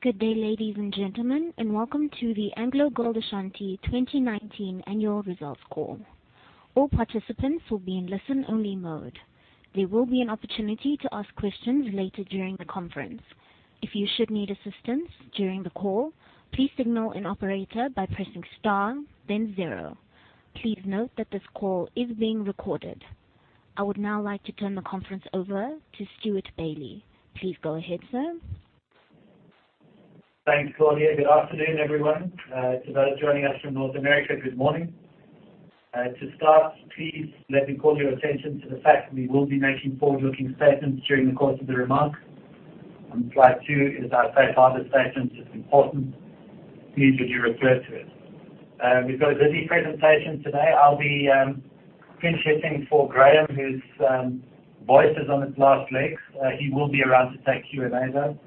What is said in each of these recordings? Good day, ladies and gentlemen, welcome to the AngloGold Ashanti 2019 Annual Results Call. All participants will be in listen-only mode. There will be an opportunity to ask questions later during the conference. If you should need assistance during the call, please signal an operator by pressing star then zero. Please note that this call is being recorded. I would now like to turn the conference over to Stewart Bailey. Please go ahead, sir. Thanks, Claudia. Good afternoon, everyone. To those joining us from North America, good morning. To start, please let me call your attention to the fact that we will be making forward-looking statements during the course of the remarks. On slide two is our safe harbor statement. It's important. Please would you refer to it. We've got a busy presentation today. I'll be pinch-hitting for Graham, whose voice is on its last legs. He will be around to take Q&A, though.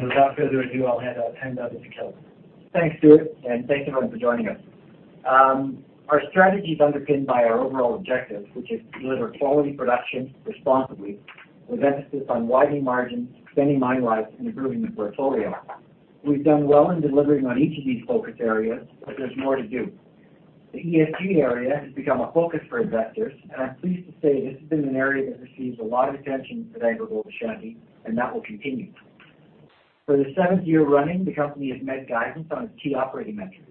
Without further ado, I'll hand over to Kelvin. Thanks, Stewart, and thanks, everyone, for joining us. Our strategy is underpinned by our overall objective, which is to deliver quality production responsibly, with emphasis on widening margins, extending mine lives, and improving the portfolio. We've done well in delivering on each of these focus areas, but there's more to do. The ESG area has become a focus for investors, and I'm pleased to say this has been an area that receives a lot of attention at AngloGold Ashanti, and that will continue. For the seventh year running, the company has met guidance on its key operating metrics.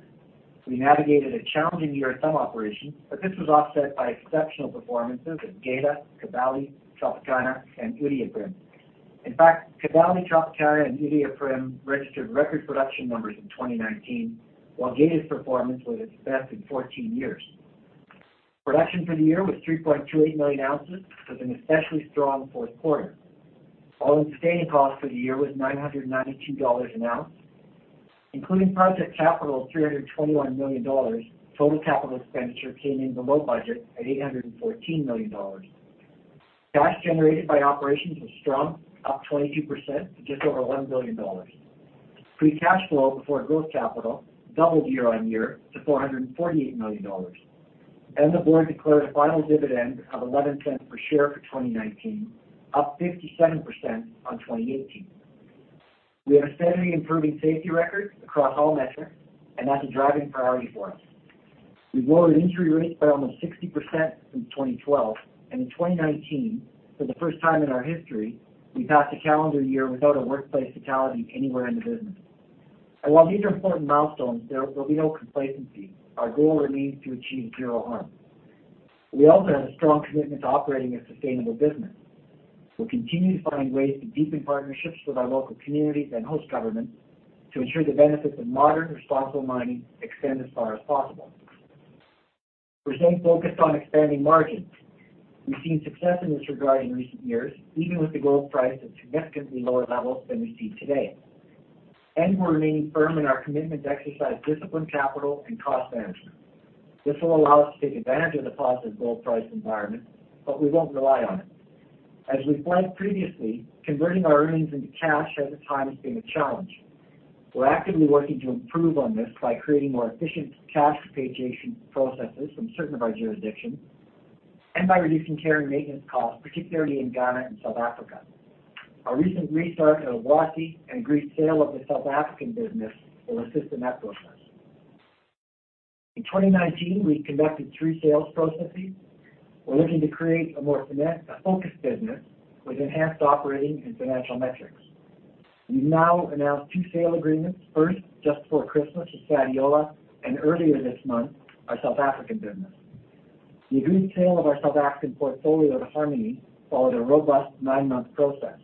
We navigated a challenging year at some operations, but this was offset by exceptional performances at Geita, Kibali, South Africa, and Iduapriem. In fact, Kibali, South Africa, and Iduapriem registered record production numbers in 2019, while Geita's performance was its best in 14 years. Production for the year was 3.28 million ounces, with an especially strong fourth quarter. All-in sustaining costs for the year was $992 an ounce, including project capital of $321 million, total capital expenditure came in below budget at $814 million. Cash generated by operations was strong, up 22% to just over $1.1 billion. Free cash flow before growth capital doubled year-on-year to $448 million. The board declared a final dividend of $0.11 per share for 2019, up 57% on 2018. We have a steadily improving safety record across all metrics, and that's a driving priority for us. We've lowered injury rates by almost 60% since 2012. In 2019, for the first time in our history, we passed a calendar year without a workplace fatality anywhere in the business. While these are important milestones, there will be no complacency. Our goal remains to achieve zero harm. We also have a strong commitment to operating a sustainable business. We'll continue to find ways to deepen partnerships with our local communities and host governments to ensure the benefits of modern, responsible mining extend as far as possible. We remain focused on expanding margins. We've seen success in this regard in recent years, even with the gold price at significantly lower levels than we see today. We're remaining firm in our commitment to exercise disciplined capital and cost management. This will allow us to take advantage of the positive gold price environment, but we won't rely on it. As we flagged previously, converting our earnings into cash ahead of time has been a challenge. We're actively working to improve on this by creating more efficient cash repatriation processes from certain of our jurisdictions and by reducing care and maintenance costs, particularly in Ghana and South Africa. Our recent restart at Iduapriem and agreed sale of the South African business will assist in that process. In 2019, we conducted three sales processes. We're looking to create a more focused business with enhanced operating and financial metrics. We've now announced two sale agreements, first, just before Christmas, with Sadiola, and earlier this month, our South African business. The agreed sale of our South African portfolio to Harmony followed a robust nine-month process.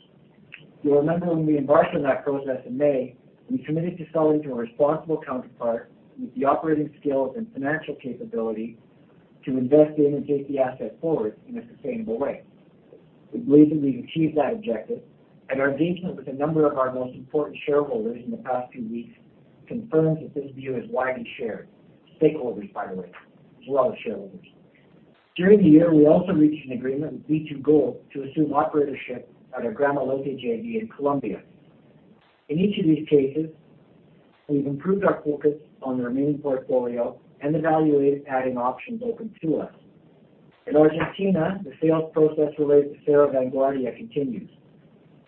You'll remember when we embarked on that process in May, we committed to selling to a responsible counterpart with the operating skills and financial capability to invest in and take the asset forward in a sustainable way. We believe that we've achieved that objective, and our engagement with a number of our most important shareholders in the past few weeks confirms that this view is widely shared. Stakeholders, by the way, as well as shareholders. During the year, we also reached an agreement with B2Gold to assume operatorship at our Gramalote JV in Colombia. In each of these cases, we've improved our focus on the remaining portfolio and evaluated adding options open to us. In Argentina, the sales process related to Cerro Vanguardia continues.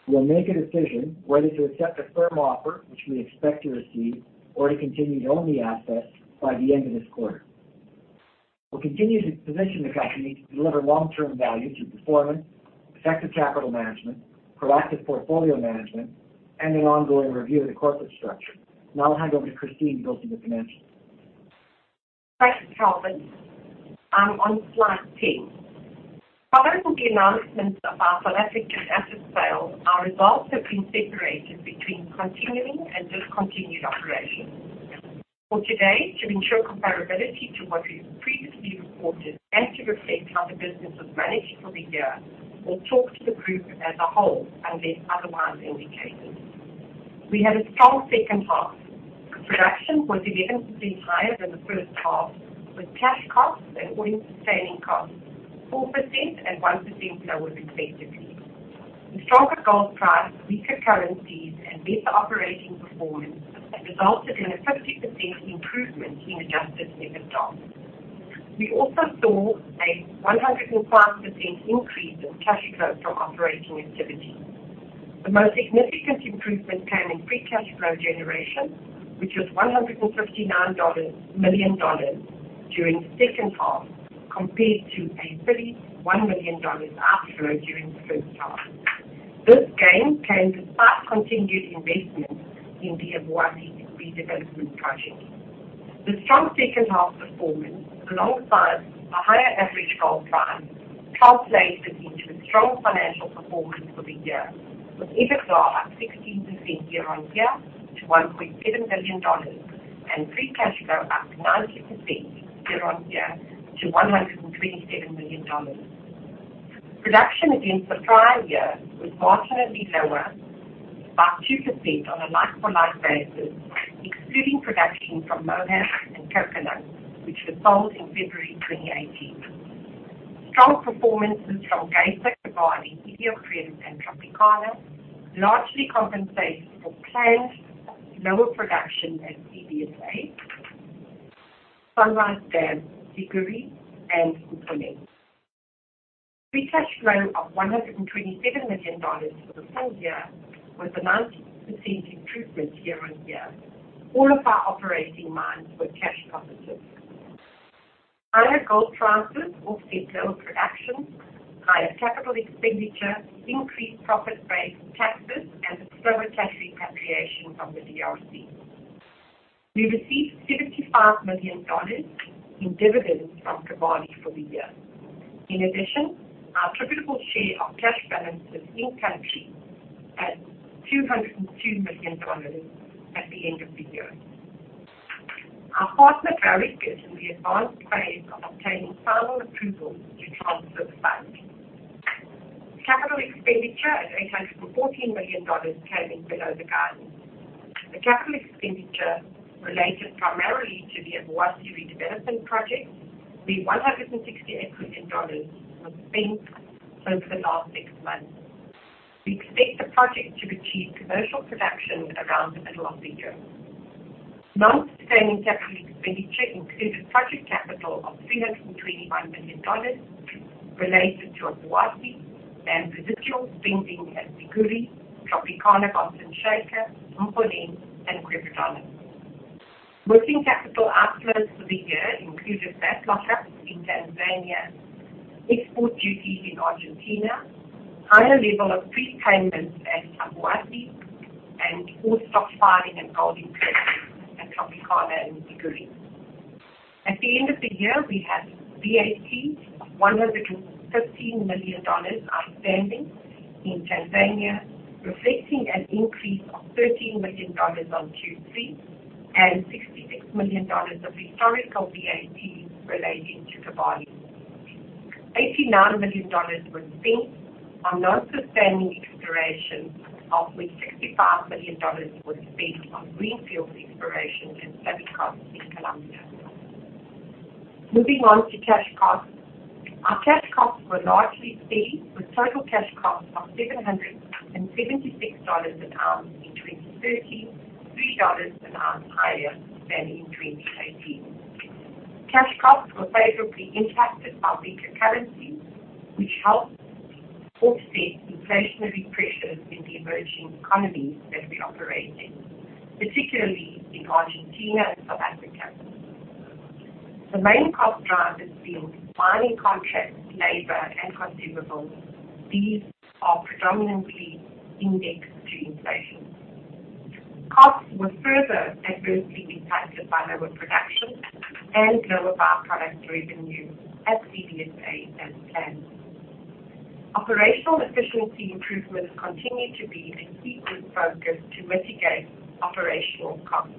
We'll make a decision whether to accept a firm offer, which we expect to receive or to continue to own the asset by the end of this quarter. We'll continue to position the company to deliver long-term value through performance, effective capital management, proactive portfolio management, and an ongoing review of the corporate structure. Now I'll hand over to Christine to go through the financials. Thanks, Kelvin. On slide 10. Following the announcements of our South African asset sale, our results have been separated between continuing and discontinued operations. For today, to ensure comparability to what we've previously reported and to reflect how the business was managed for the year, we'll talk to the group as a whole unless otherwise indicated. We had a strong second half. Production was 11% higher than the first half, with cash costs and all-in sustaining costs 4% and 1% lower respectively. The stronger gold price, weaker currencies, and better operating performance resulted in a 50% improvement in adjusted EBITDA. We also saw a 105% increase in cash flow from operating activity. The most significant improvement came in free cash flow generation, which was $159 million during the second half compared to a $31 million outflow during the first half. This gain came despite continued investment in the Obuasi redevelopment project. The strong second half performance, alongside a higher average gold price, translated into a strong financial performance for the year, with EBITDA up 16% year-on-year to $1.7 billion and free cash flow up 90% year-on-year to $127 million. Production against the prior year was marginally lower by 2% on a like-for-like basis, excluding production from Moab Khotsong and Kopanang, which were sold in February 2018. Strong performances from [inaudible] Iduapriem and Tropicana largely compensated for planned lower production at CVSA, Sunrise Dam, Siguiri and Mponeng. Free cash flow of $127 million for the full year was a 90% improvement year-on-year. All of our operating mines were cash positive. Higher gold prices offset lower production, higher capital expenditure, increased profit base taxes and the slower tax repatriation from the DRC. We received $75 million in dividends from Kibali for the year. In addition, our attributable share of cash balances in-country at $202 million at the end of the year. Our partner, Barrick, is in the advanced phase of obtaining final approval to transfer the funds. Capital expenditure at $814 million came in below the guidance. The capital expenditure related primarily to the Obuasi redevelopment project, where $168 million was spent over the last six months. We expect the project to achieve commercial production around the middle of the year. Non-sustaining capital expenditure included project capital of $321 million related to Obuasi and residual spending at Siguiri, Tropicana, Mponeng and Kwebetane. Working capital outflows for the year included VAT lock-ups in Tanzania, export duties in Argentina, higher level of prepayments at Obuasi, and ore stockpiling and gold increase at Tropicana and Siguiri. At the end of the year, we had VAT of $115 million outstanding in Tanzania, reflecting an increase of $13 million on Q3 and $66 million of historical VAT relating to Geita. $89 million were spent on non-sustaining exploration, of which $65 million was spent on greenfield exploration in [inaudible] in Colombia. Moving on to cash costs. Our cash costs were largely steady, with total cash costs of $776 an ounce in 2030, $3 an ounce higher than in 2018. Cash costs were favorably impacted by weaker currencies, which helped offset inflationary pressures in the emerging economies that we operate in, particularly in Argentina and South Africa. The main cost drivers being mining contracts, labor and consumables. These are predominantly indexed to inflation. Costs were further adversely impacted by lower production and lower by-product revenue at CVSA as planned. Operational efficiency improvements continue to be a key focus to mitigate operational cost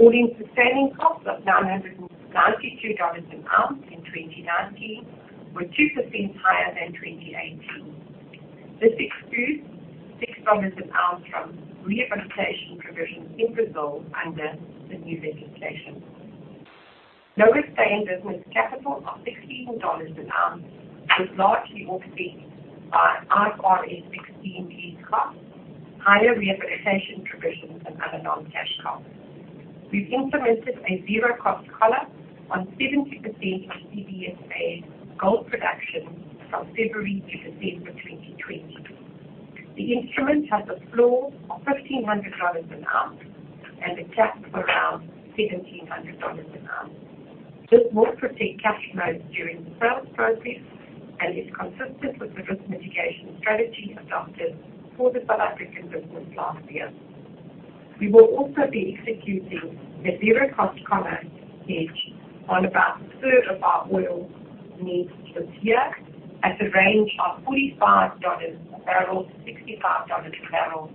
pressures. All-in sustaining costs of $992 an ounce in 2019 were 2% higher than 2018. This excludes $6 an ounce from rehabilitation provisions in Brazil under the new legislation. Lower sustaining business capital of $16 an ounce was largely offset by IFRS 16 lease costs, higher rehabilitation provisions and other non-cash costs. We've implemented a zero cost collar on 70% of CVSA gold production from February to December 2020. The instrument has a floor of $1,500 an ounce and a cap of around $1,700 an ounce. This will protect cash flows during the sales process and is consistent with the risk mitigation strategy adopted for the South African business last year. We will also be executing the zero cost collar hedge on about a third of our oil needs this year at a range of $45 a barrel to $65 a barrel.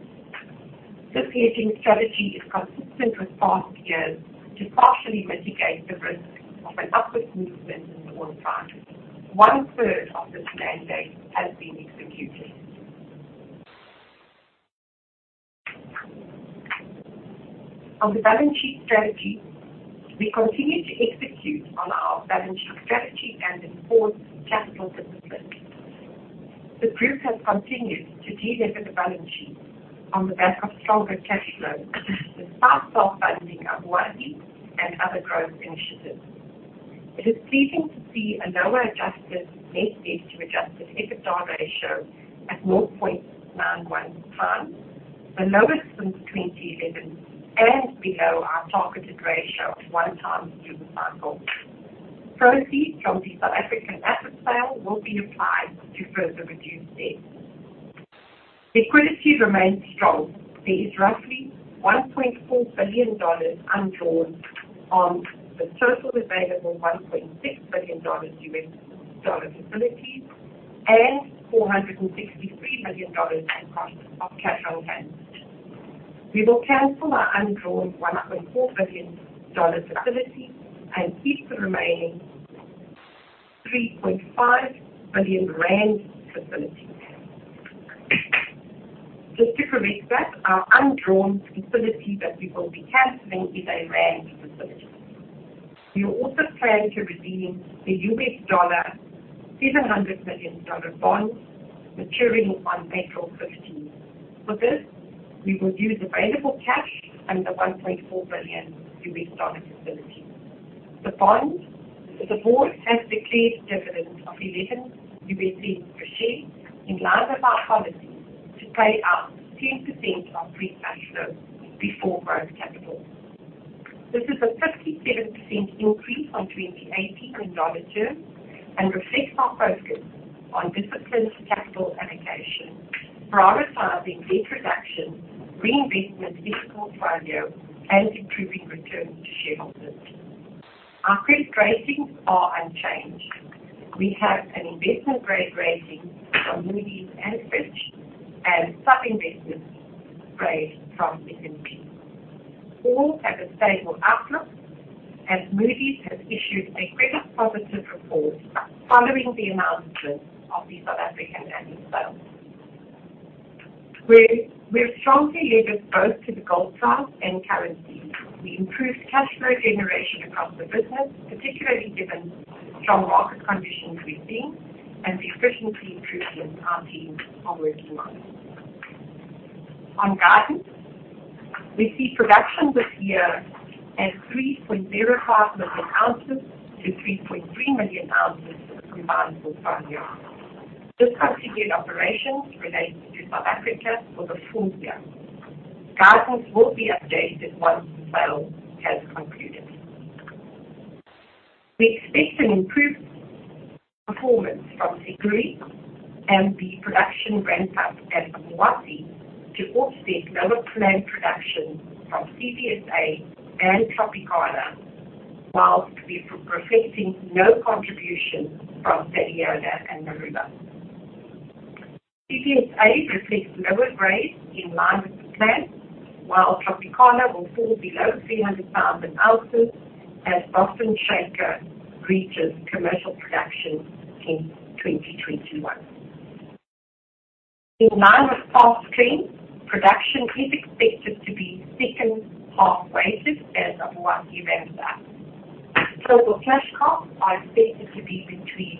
This hedging strategy is consistent with past years to partially mitigate the risk of an upwards movement in the oil price. One third of this mandate has been executed. On the balance sheet strategy, we continue to execute on our balance sheet strategy and enforce capital discipline. The group has continued to delever the balance sheet on the back of stronger cash flow, despite self-funding of Wasi and other growth initiatives. It is pleasing to see a lower adjusted net debt to adjusted EBITDA ratio at 1.91, the lowest since 2011, and below our targeted ratio of one times through the cycle. Proceeds from the South African asset sale will be applied to further reduce debt. Liquidity remains strong. There is roughly $1.4 billion undrawn on the total available $1.6 billion U.S. dollar facilities and $463 million of cash on hand. We will cancel our undrawn $1.4 billion facility and keep the remaining 3.5 billion rand facility. Just to correct that, our undrawn facility that we will be canceling is a ZAR facility. We also plan to redeem the $700 million bonds maturing on April 15th. For this, we will use available cash and the $1.4 billion U.S. dollar facility. The board has declared dividends of $0.11 per share in line with our policy to pay out 10% of free cash flow before growth capital. This is a 57% increase on 2018 in dollar terms and reflects our focus on disciplined capital allocation, prioritizing debt reduction, reinvestment in core value, and improving returns to shareholders. Our credit ratings are unchanged. We have an investment-grade rating from Moody's and Fitch, and sub-investment grade from S&P. All have a stable outlook, as Moody's has issued a credit positive report following the announcement of the South African asset sale. We're strongly levered both to the gold price and currency. We improved cash flow generation across the business, particularly given strong market conditions we've seen and the efficiency improvements our team are working on. On guidance, we see production this year at 3.05 million ounces to 3.3 million ounces for combined portfolio. This includes operations related to South Africa for the full year. Guidance will be updated once the sale has concluded. We expect an improved performance from Siguiri and the production ramp-up at Obuasi to offset lower planned production from CVSA and Tropicana whilst reflecting no contribution from Sadiola and Morila. CVSA reflects lower grades in line with the plan, while Tropicana will fall below 300,000 ounces as Boston Shaker reaches commercial production in 2021. In line with our screen, production is expected to be second half weighted as Obuasi ramps up. Total cash costs are expected to be between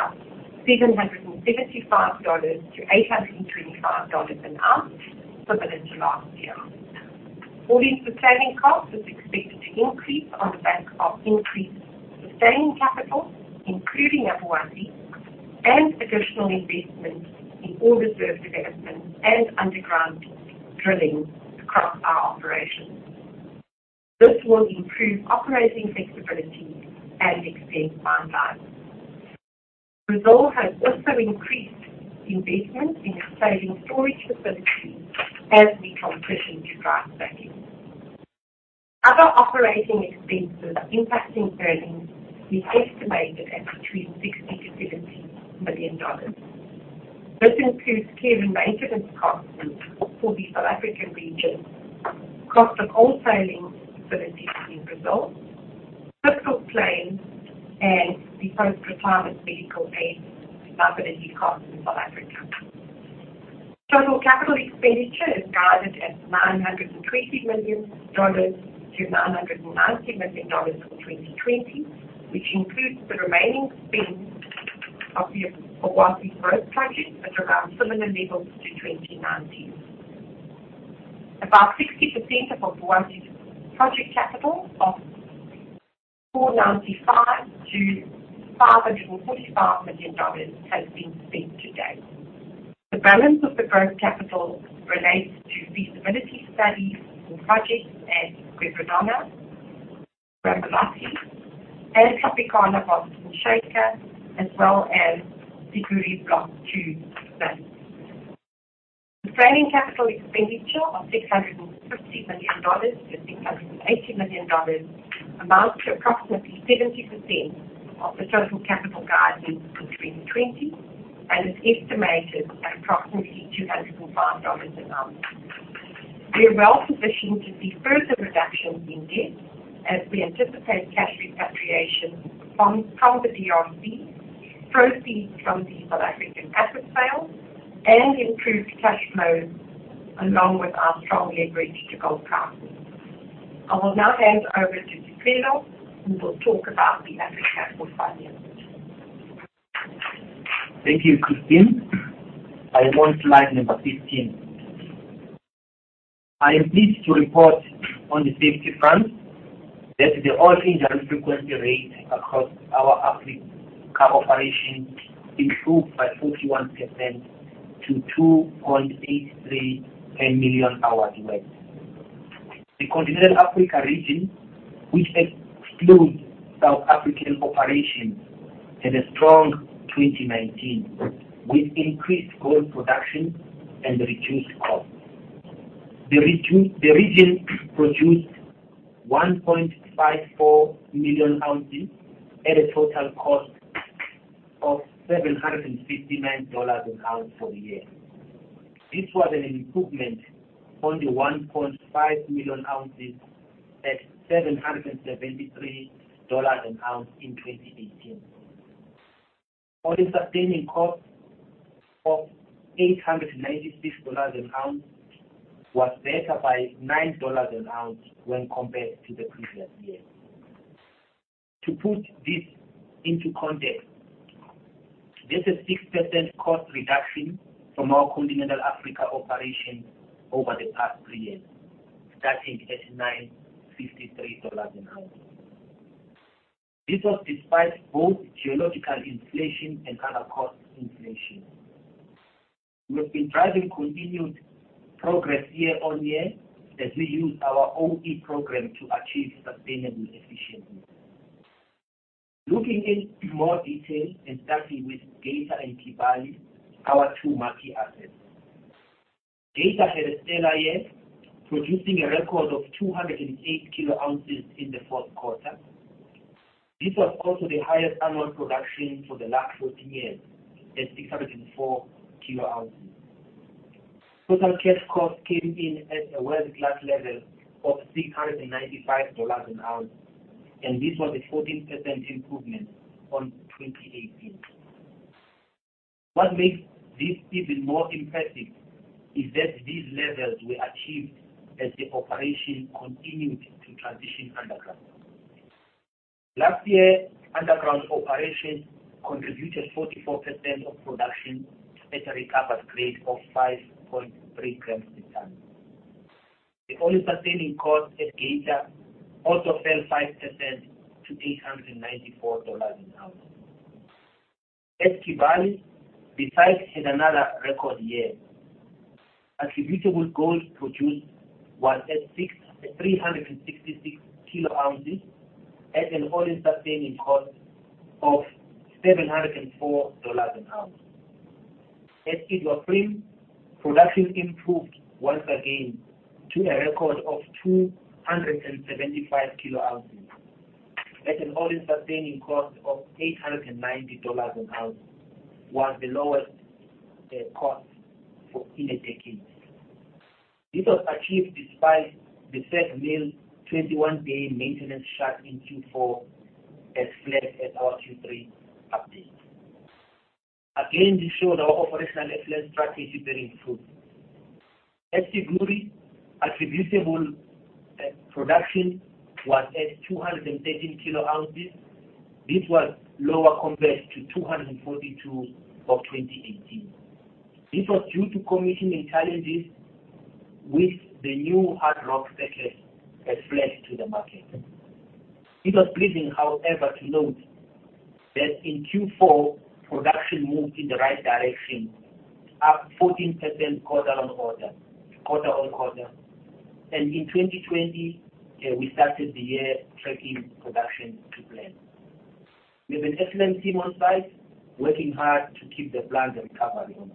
$775-$825 an ounce, similar to last year. All-in sustaining costs is expected to increase on the back of increased sustaining capital, including Obuasi and additional investment in open pit development and underground drilling across our operations. This will improve operating flexibility and extend mine lives. Brazil has also increased investment in expanding storage facilities as we transition to dry stacking. Other operating expenses impacting earnings is estimated at between $60 million to $70 million. This includes care and maintenance costs for the South African region, cost of wholesaling facilities in Brazil, fiscal claims, and the post-retirement medical aid liability cost in South Africa. Total capital expenditure is guided at $920 million to $990 million for 2020, which includes the remaining spend of the Obuasi growth project at around similar levels to 2019. About 60% of Obuasi's project capital of $495 million to $545 million has been spent to date. The balance of the growth capital relates to feasibility studies for projects at Quebradona, Gbalahati, and Tropicana Boston Shaker, as well as Siguiri Block 2 mine. Sustaining capital expenditure of $650 million to $680 million amounts to approximately 70% of the total capital guidance for 2020 and is estimated at approximately $205 a ounce. We are well positioned to see further reductions in debt as we anticipate cash repatriation from the DRC, proceeds from the South African asset sale, and improved cash flow along with our strong leverage to gold prices. I will now hand over to Sicelo, who will talk about the Africa operations. Thank you, Christine. I am on slide number 15. I am pleased to report on the safety front that the all-injury frequency rate across our Africa operation improved by 41% to 2.83 million hours worked. The Continental Africa region, which excludes South African operations, had a strong 2019 with increased gold production and reduced costs. The region produced 1.54 million ounces at a total cost of $759 an ounce for the year. This was an improvement on the 1.5 million ounces at $773 an ounce in 2018. All-in sustaining cost of $896 an ounce was better by $9 an ounce when compared to the previous year. To put this into context, this is 6% cost reduction from our Continental Africa operations over the past three years, starting at $953 an ounce. This was despite both geological inflation and other cost inflation. We have been driving continued progress year-on-year as we use our OE program to achieve sustainable efficiency. Looking in more detail and starting with Geita and Kibali, our two marquee assets. Geita had a stellar year, producing a record of 208 kilo ounces in the fourth quarter. This was also the highest annual production for the last 14 years at 604 kilo ounces. Total cash costs came in at a world-class level of $695 an ounce, and this was a 14% improvement on 2018. What makes this even more impressive is that these levels were achieved as the operation continued to transition underground. Last year, underground operations contributed 44% of production at a recovered grade of 5.3 grams per tonne. The all-in sustaining cost at Geita also fell 5% to $894 an ounce. At Kibali, the site had another record year. Attributable gold produced was at 366 kilo ounces at an all-in sustaining cost of $704 an ounce. At Iduapriem, production improved once again to a record of 275 kilo ounces at an all-in sustaining cost of $890 an ounce, was the lowest cost in the decade. This was achieved despite the SAG mill 21-day maintenance shut in Q4, as flagged at our Q3 update. Again, this showed our operational excellence strategy bearing fruit. At Siguiri, attributable production was at 213 kilo ounces. This was lower compared to 242 of 2018. This was due to commissioning challenges with the new hard rock package as flagged to the market. It was pleasing, however, to note that in Q4, production moved in the right direction, up 14% quarter-on-quarter. In 2020, we started the year tracking production to plan. We have an excellent team on site working hard to keep the plant recovery on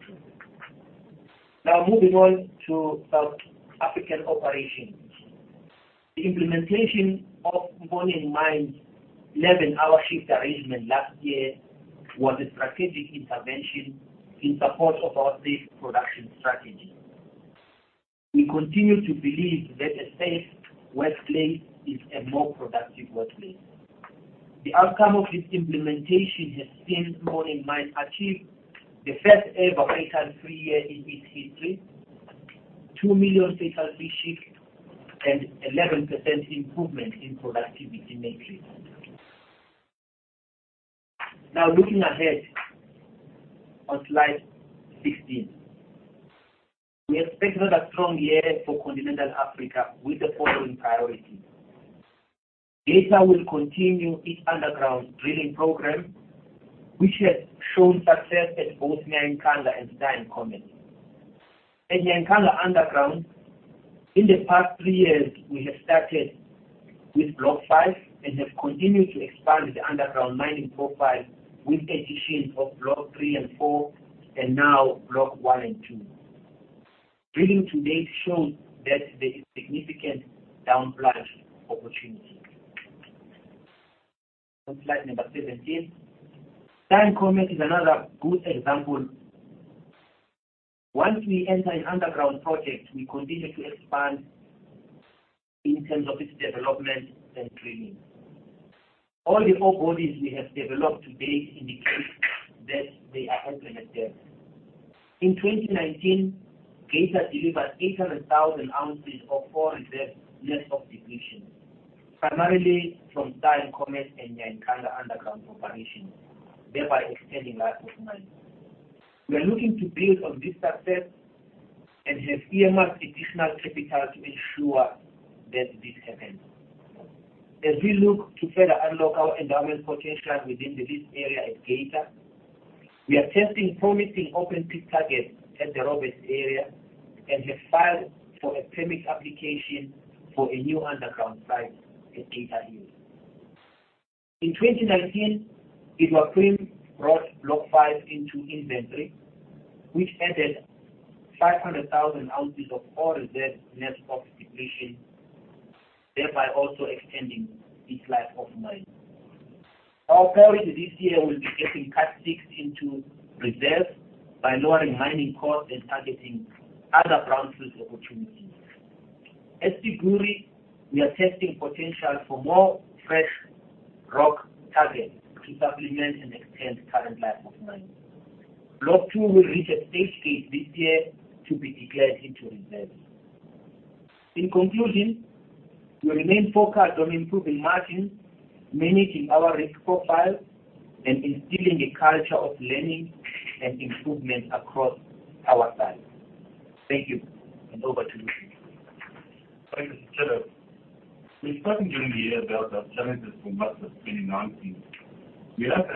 trend. Moving on to South African operations. The implementation of Mponeng Mine's 11-hour shift arrangement last year was a strategic intervention in support of our safe production strategy. We continue to believe that a safe workplace is a more productive workplace. The outcome of this implementation has seen Mponeng Mine achieve the first ever fatal-free year in its history, 2 million fatal-free shifts, and 11% improvement in productivity matrix. Looking ahead on slide 16. We expect another strong year for Continental Africa with the following priorities. Geita will continue its underground drilling program, which has shown success at both Nyankanga and Star and Comet. At Nyankanga underground, in the past three years, we have started with block 5 and have continued to expand the underground mining profile with additions of block three and four, and now block one and two. Drilling to date shows that there is significant down-pillar opportunity. On slide number 17. Star and Comet is another good example. Once we enter an underground project, we continue to expand in terms of its development and drilling. All the four bodies we have developed today indicate that they are implemented. In 2019, Geita delivered 800,000 ounces of ore reserve net of depletion, primarily from Star and Comet and Nyankanga underground operations, thereby extending life of mine. We are looking to build on this success and have earmarked additional capital to ensure that this happens. As we look to further unlock our endowment potential within the lease area at Geita, we are testing promising open pit targets at the Roberts area and have filed for a permit application for a new underground site at Geita Hub. In 2019, Iduapriem brought Block five into inventory, which added 500,000oz of ore reserve, net of depletion, thereby also extending its life of mine. Our priority this year will be getting Cut six into reserve by lowering mining costs and targeting other brownfields opportunities. At Siguiri, we are testing potential for more fresh rock targets to supplement and extend current life of mine. Block two will reach a stage gate this year to be declared into reserve. In conclusion, we remain focused on improving margins, managing our risk profile, and instilling a culture of learning and improvement across our sites. Thank you, over to you, Ludwig Thanks, Sicelo. We've spoken during the year about our challenges in much of 2019. We are. [inaudible]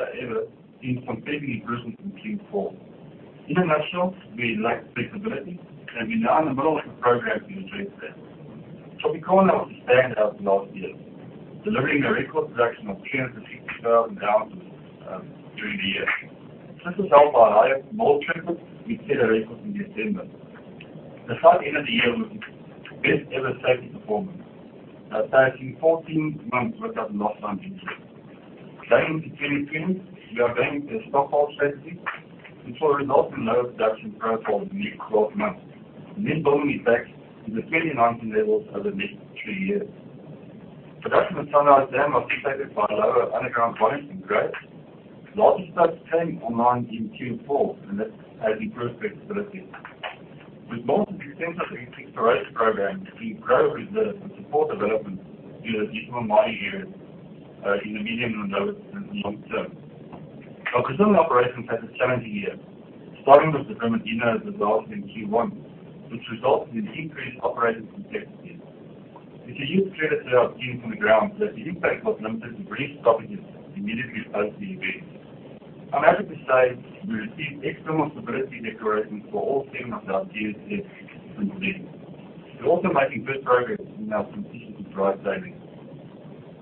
In a nutshell, we lack flexibility and we're now in the middle of a program to address that. Tropicana was a standout last year, delivering a record production of 260,000 ounces during the year. This was helped by higher gold throughput, which set a record in December. The site ended the year with its best ever safety performance by passing 14 months without a lost time injury. Going into 2020, we are banking a stockpile strategy, which will result in lower production profile in the next 12 months and then building it back to the 2019 levels over the next three years. Production at Sunrise Dam was impacted by lower underground volumes and grades. Larger studs came online in Q4, and that has improved flexibility. We've launched an extensive exploration program to grow reserves and support development due to deeper mining areas, in the medium and long term. Our [inaudible] operations had a challenging year, starting with the permanent interlude results in Q1, which resulted in increased operating complexity. With the use of creative thinking from the ground, the impact was limited to brief stoppages immediately post the event. I'm happy to say we received external stability decorations for all seven of our DLC systems this year. We're also making good progress in our continuous drive savings.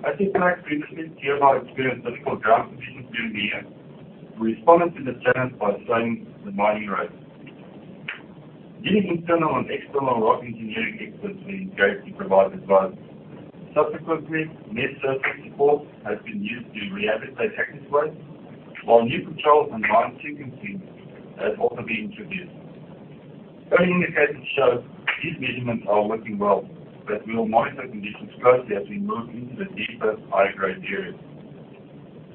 At Serra Grande we experienced difficult ground conditions during the year. We responded to the challenge by slowing the mining rate. Leading internal and external rock engineering experts were engaged to provide advice. Subsequently, mass surface support has been used to rehabilitate access ways, while new controls and mine sequencing has also been introduced. Early indications show these measurements are working well, but we will monitor conditions closely as we move into the deeper, higher grade areas.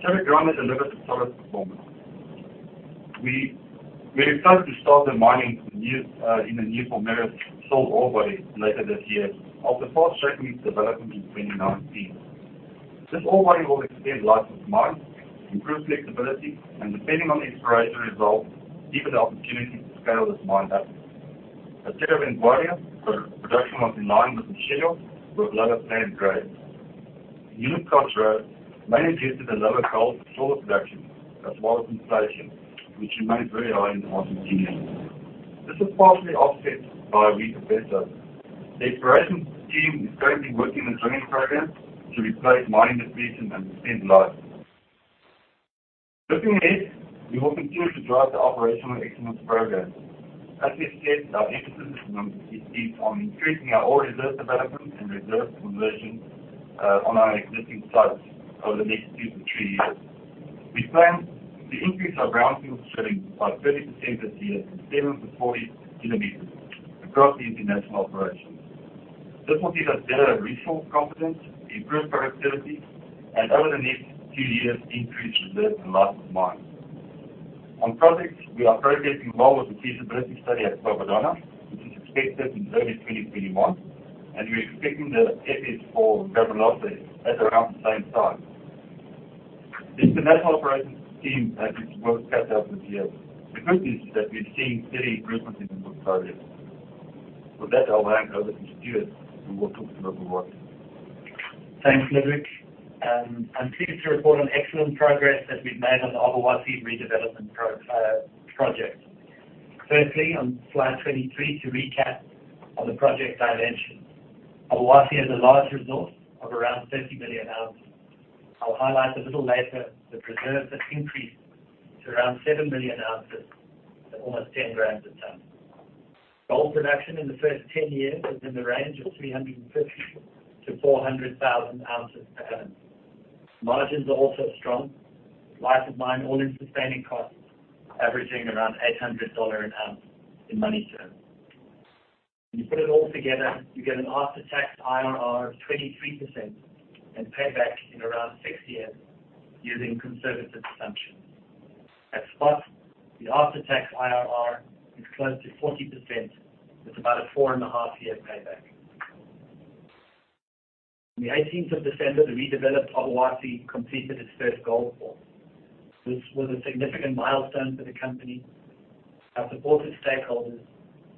Cerro Vanguardia has delivered a solid performance. We are excited to start the mining in the new Formerida ore body later this year after fast-tracking its development in 2019. This ore body will extend life of mine, improve flexibility, and depending on exploration results, give us the opportunity to scale this mine up. At Cerro Vanguardia, production was in line with the schedule with lower planned grades. Unit cost growth, mainly due to the lower gold sold production as well as inflation, which remained very high in Argentina. This was partially offset by a weak peso. The exploration team is currently working on drilling programs to replace mine depletion and extend life. Looking ahead, we will continue to drive the operational excellence programs. As we've said, our emphasis is on increasing our ore reserve development and reserve conversion, on our existing sites over the next two to three years. We plan to increase our greenfield drilling by 30% this year from seven to 40 km across the international operations. This will give us better resource confidence, improved productivity, and over the next two years, increased reserve and life of mine. On projects, we are progressing well with the feasibility study at Providenca, which is expected in early 2021, and we're expecting the FS for Carballosa at around the same time. The international operations team has its work cut out this year. The good news is that we're seeing steady improvements in the portfolio. With that, I'll hand over to Stewart, who will talk through Obuasi. Thanks, Ludwig. I'm pleased to report on excellent progress that we've made on the Obuasi redevelopment project. Firstly, on slide 23, to recap on the project dimensions. Obuasi has a large resource of around 30 million ounces. I'll highlight a little later the reserve that increased to around seven million ounces at almost 10 grams a ton. Gold production in the first 10 years is in the range of 350,000-400,000oz per annum. Margins are also strong. Life of mine, all-in sustaining costs averaging around $800 an ounce in money terms. When you put it all together, you get an after-tax IRR of 23% and payback in around six years using conservative assumptions. At spot, the after-tax IRR is close to 40% with about a 4.5-year payback. On the 18th of December, the redeveloped Obuasi completed its first gold pour. This was a significant milestone for the company, our supportive stakeholders,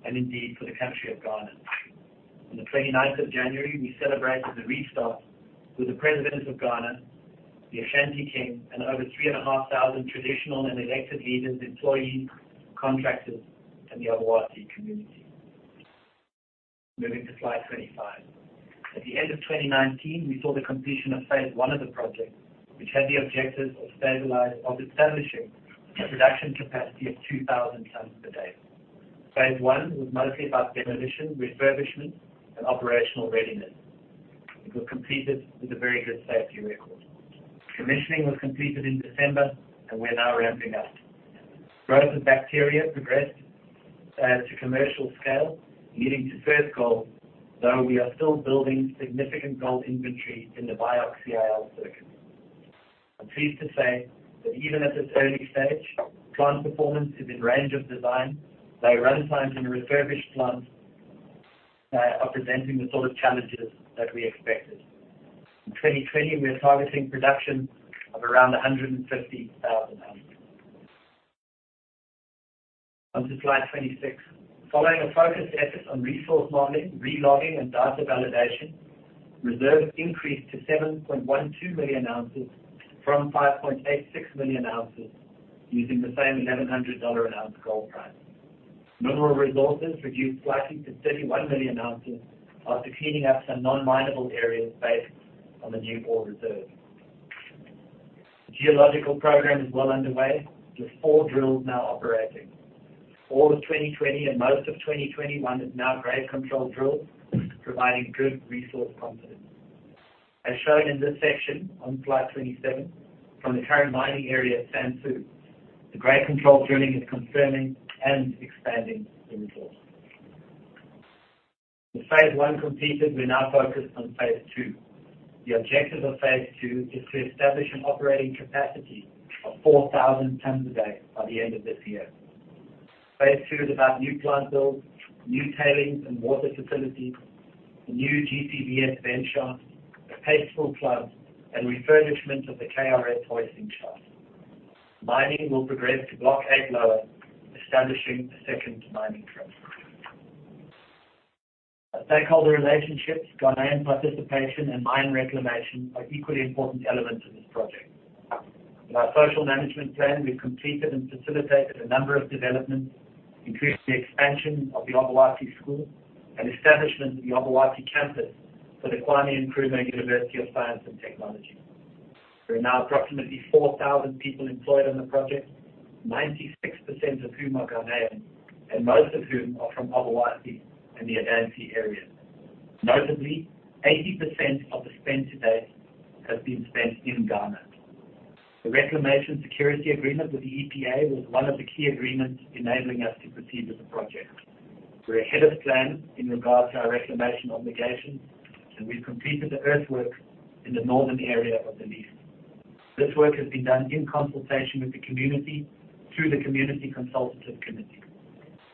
and indeed for the country of Ghana. On the 29th of January, we celebrated the restart with the President of Ghana, the Ashanti king, and over 3,500 traditional and elected leaders, employees, contractors, and the Obuasi community. Moving to slide 25. At the end of 2019, we saw the completion of phase one of the project, which had the objective of establishing a production capacity of 2,000 tons per day. Phase one was mostly about demolition, refurbishment, and operational readiness. It was completed with a very good safety record. Commissioning was completed in December. We're now ramping up. Growth of bacteria progressed to commercial scale leading to first gold, though we are still building significant gold inventory in the BIOX-CIL circuit. I'm pleased to say that even at this early stage, plant performance is in range of design, though run times in a refurbished plant are presenting the sort of challenges that we expected. In 2020, we are targeting production of around 150,000oz. On to slide 26. Following a focused effort on resource modeling, re-logging, and data validation, reserves increased to 7.12 million ounces from 5.86 million ounces using the same $1,100 an ounce gold price. Mineral resources reduced slightly to 31 million ounces after cleaning up some non-minable areas based on the new ore reserve. The geological program is well underway with four drills now operating. All of 2020 and most of 2021 is now grade control drills providing good resource confidence. As shown in this section on slide 27, from the current mining area at Sansu, the grade control drilling is confirming and expanding the resource. With phase I completed, we're now focused on phase II. The objective of phase II is to establish an operating capacity of 4,000 tons a day by the end of this year. phase II is about new plant build, new tailings and water facilities, a new GPBS vent shaft, a paste filter plant, and refurbishment of the KRF hoisting shaft. Mining will progress to block 8 lower, establishing a second mining front. Stakeholder relationships, Ghanaian participation, and mine reclamation are equally important elements of this project. In our social management plan, we've completed and facilitated a number of developments, including the expansion of the Obuasi school and establishment of the Obuasi campus for the Kwame Nkrumah University of Science and Technology. There are now approximately 4,000 people employed on the project, 96% of whom are Ghanaian, and most of whom are from Obuasi and the Adansi area. Notably, 80% of the spend to date has been spent in Ghana. The reclamation security agreement with the EPA was one of the key agreements enabling us to proceed with the project. We're ahead of plan in regards to our reclamation obligations, and we've completed the earthwork in the northern area of the lease. This work has been done in consultation with the community through the Community Consultative Committee.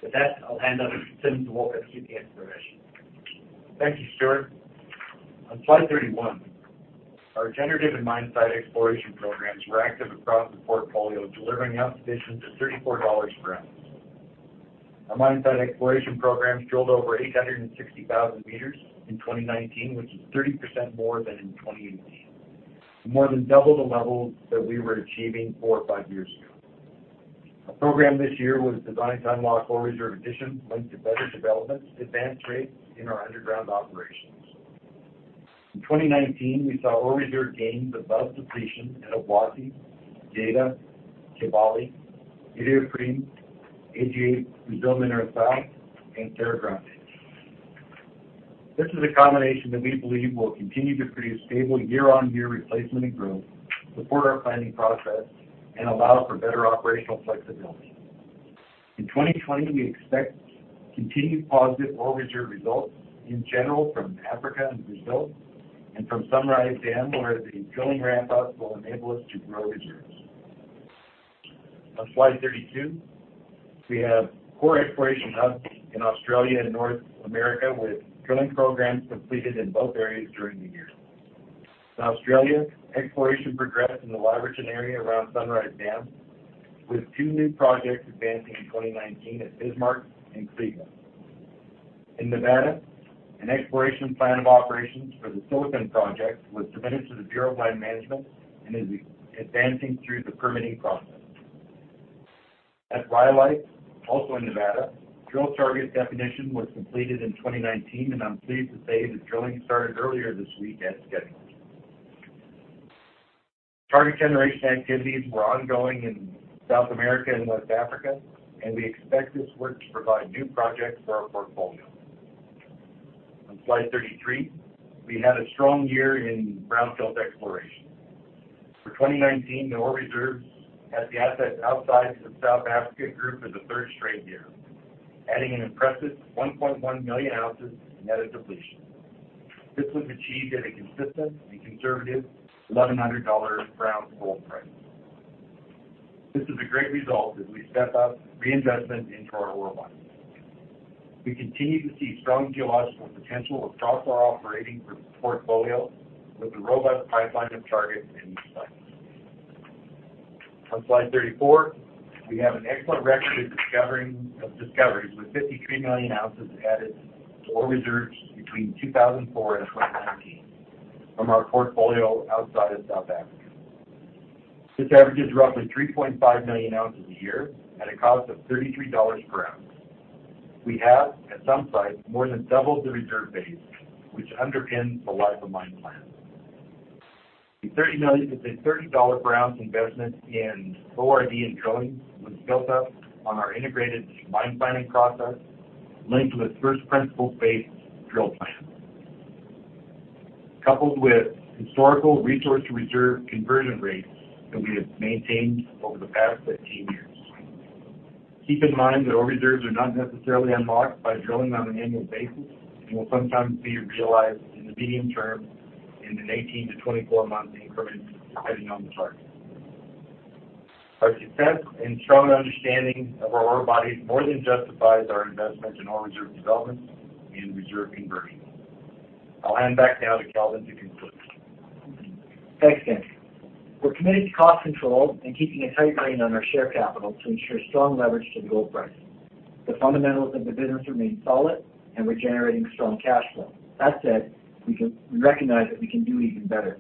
With that, I'll hand over to Tim to walk us through the exploration. Thank you, Stewart. On slide 31, our generative and mine site exploration programs were active across the portfolio, delivering acquisitions of $34 per ounce. Our mine site exploration programs drilled over 860,000 meters in 2019, which is 30% more than in 2018, more than double the levels that we were achieving four or five years ago. Our program this year was designed to unlock ore reserve additions linked to better development, advanced rates in our underground operations. In 2019, we saw ore reserve gains above depletion at Obuasi, Geita, Kibali, [inaudible] Agia, Brazil Minas South, and Terra Grande. This is a combination that we believe will continue to produce stable year-on-year replacement and growth, support our planning process, and allow for better operational flexibility. In 2020, we expect continued positive ore reserve results in general from Africa and Brazil and from Sunrise Dam, where the drilling ramp-ups will enable us to grow reserves. On slide 32, we have core exploration hubs in Australia and North America, with drilling programs completed in both areas during the year. In Australia, exploration progressed in the Laverton area around Sunrise Dam, with two new projects advancing in 2019 at Bismarck and Creighton. In Nevada, an exploration plan of operations for the Silicon project was submitted to the Bureau of Land Management and is advancing through the permitting process. At Rhyolite, also in Nevada, drill target definition was completed in 2019, and I'm pleased to say that drilling started earlier this week as scheduled. Target generation activities were ongoing in South America and West Africa. We expect this work to provide new projects for our portfolio. On slide 33, we had a strong year in brownfield exploration. For 2019, the ore reserves at the assets outside of the South Africa group is a third straight year, adding an impressive 1.1 million ounces of net addition. This was achieved at a consistent and conservative $1,100 per ounce gold price. This is a great result as we step up reinvestment into our ore bodies. We continue to see strong geological potential across our operating group portfolio with a robust pipeline of targets in each site. On slide 34, we have an excellent record of discoveries with 53 million ounces added to ore reserves between 2004 and 2019 from our portfolio outside of South Africa. This averages roughly 3.5 million ounces a year at a cost of $33 per ounce. We have, at some sites, more than doubled the reserve base, which underpins the life of mine plan. The $30 per ounce investment in ORD and drilling was built up on our integrated mine planning process linked with first principle-based drill plans, coupled with historical resource to reserve conversion rates that we have maintained over the past 15 years. Keep in mind that ore reserves are not necessarily unlocked by drilling on an annual basis and will sometimes be realized in the medium term in an 18-24 month increments, depending on the target. Our success and strong understanding of our ore bodies more than justifies our investment in ore reserve development and reserve conversion. I'll hand back now to Kelvin to conclude. Thanks, Tim. We're committed to cost control and keeping a tight rein on our share capital to ensure strong leverage to the gold price. The fundamentals of the business remain solid, and we're generating strong cash flow. That said, we recognize that we can do even better.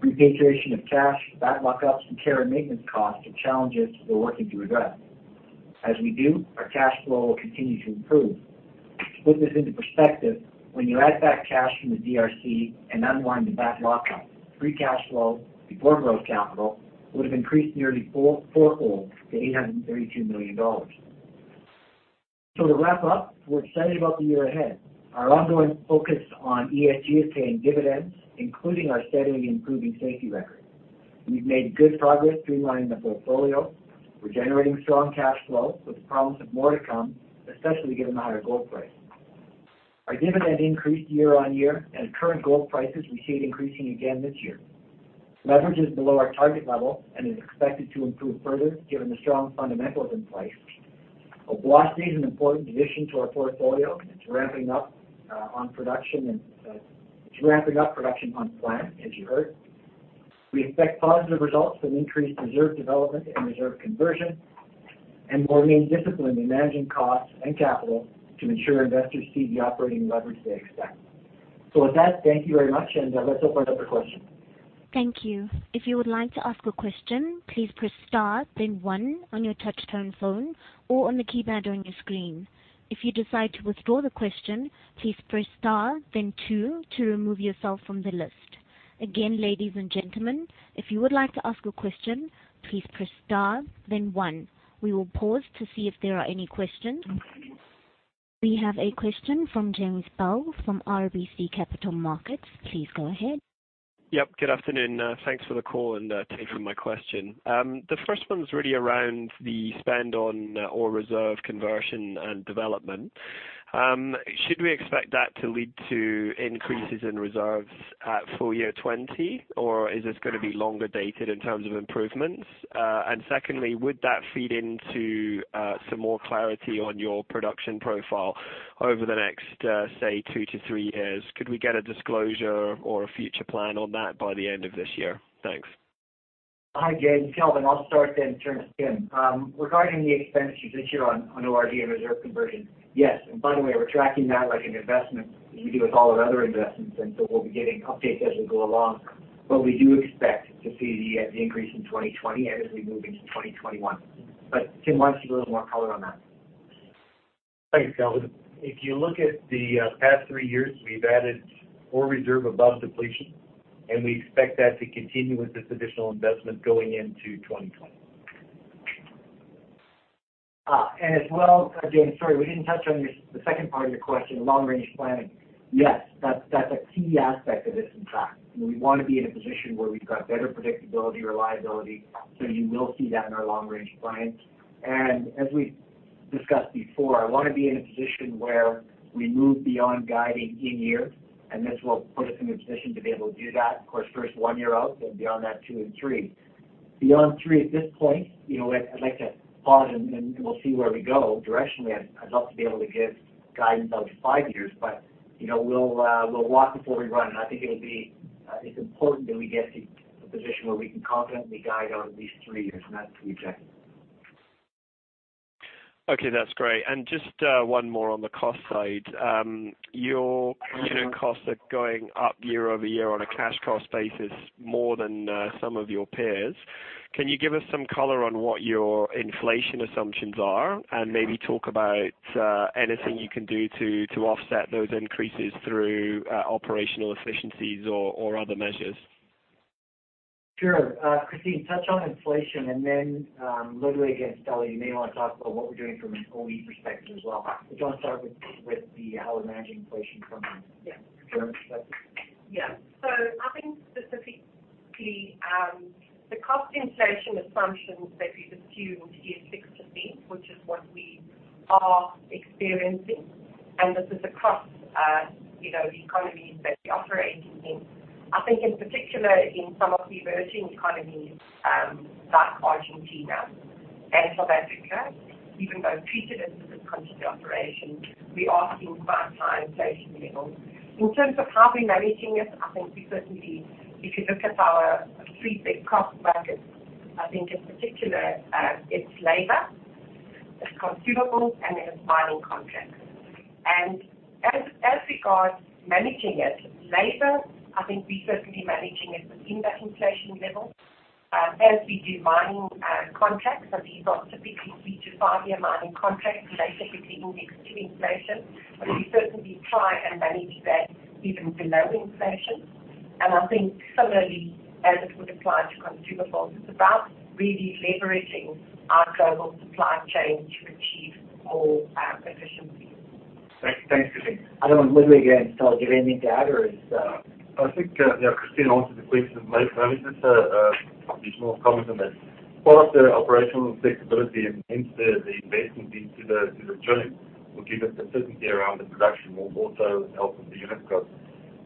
Repatriation of cash, VAT lockups, and care and maintenance costs are challenges we're working to address. As we do, our cash flow will continue to improve. To put this into perspective, when you add back cash from the DRC and unwind the VAT lockup, free cash flow before growth capital would have increased nearly fourfold to $832 million. To wrap up, we're excited about the year ahead. Our ongoing focus on ESG is paying dividends, including our steadily improving safety record. We've made good progress streamlining the portfolio. We're generating strong cash flow with the promise of more to come, especially given the higher gold price. Our dividend increased year on year, and at current gold prices, we see it increasing again this year. Leverage is below our target level and is expected to improve further given the strong fundamentals in place. Obuasi is an important addition to our portfolio, and it's ramping up production on plan, as you heard. We expect positive results from increased reserve development and reserve conversion, and we'll remain disciplined in managing costs and capital to ensure investors see the operating leverage they expect. With that, thank you very much, and let's open it up for questions. Thank you. If you would like to ask a question, please press star then one on your touchtone phone or on the keypad on your screen. If you decide to withdraw the question, please press star then two to remove yourself from the list. Again, ladies and gentlemen, if you would like to ask a question, please press star then one. We will pause to see if there are any questions. We have a question from James Bell from RBC Capital Markets. Please go ahead. Yep. Good afternoon. Thanks for the call and taking my question. The first one is really around the spend on ore reserve conversion and development. Should we expect that to lead to increases in reserves at full year 2020, or is this going to be longer dated in terms of improvements? Secondly, would that feed into some more clarity on your production profile over the next, say, two to three years? Could we get a disclosure or a future plan on that by the end of this year? Thanks. Hi, James. Kelvin. I'll start then turn to Tim. Regarding the expenditures this year on ORD and reserve conversion, yes. By the way, we're tracking that like an investment as we do with all of our other investments, so we'll be giving updates as we go along. We do expect to see the increase in 2020 and as we move into 2021. Tim, why don't you give a little more color on that? Thanks, Kelvin. If you look at the past three years, we've added ore reserve above depletion, and we expect that to continue with this additional investment going into 2020. As well, James, sorry, we didn't touch on the second part of your question, long-range planning. Yes, that's a key aspect of this, in fact. We want to be in a position where we've got better predictability, reliability, so you will see that in our long-range plans. As we've discussed before, I want to be in a position where we move beyond guiding in year, and this will put us in a position to be able to do that. Of course, first one year out, then beyond that, two and three. Beyond three at this point, I'd like to pause and we'll see where we go directionally. I'd love to be able to give guidance out to five years. We'll walk before we run, and I think it's important that we get to a position where we can confidently guide on at least three years, and that's the objective. Okay, that's great. Just one more on the cost side. Your unit costs are going up year-over-year on a cash cost basis more than some of your peers. Can you give us some color on what your inflation assumptions are and maybe talk about anything you can do to offset those increases through operational efficiencies or other measures? Sure. Christine, touch on inflation and then Ludwig and Sicelo, you may want to talk about what we're doing from an OE perspective as well. Do you want to start with how we're managing inflation from a general perspective? Yeah. I think specifically, the cost inflation assumptions that we've assumed is 6%, which is what we are experiencing, and this is across the economies that we operate in. I think in particular, in some of the emerging economies, like Argentina and South Africa, even though treated as a different country operation, we are seeing quite high inflation levels. In terms of how we're managing it, I think we certainly, if you look at our three big cost buckets, I think in particular, it's labor, it's consumables, and then it's mining contracts. As regards managing it, labor, I think we're certainly managing it within that inflation level. As we do mining contracts, these are typically three to five year mining contracts related to index to inflation, but we certainly try and manage that even below inflation. I think similarly as it would apply to consumables, it's about really leveraging our global supply chain to achieve more efficiency. Thanks, Christine. I don't know, Ludwig and Sicelo, do you have anything to add? I think Christine answered the question. Maybe just an additional comment on that. Part of the operational flexibility and the investment into the joint will give us the certainty around the production will also help with the unit cost.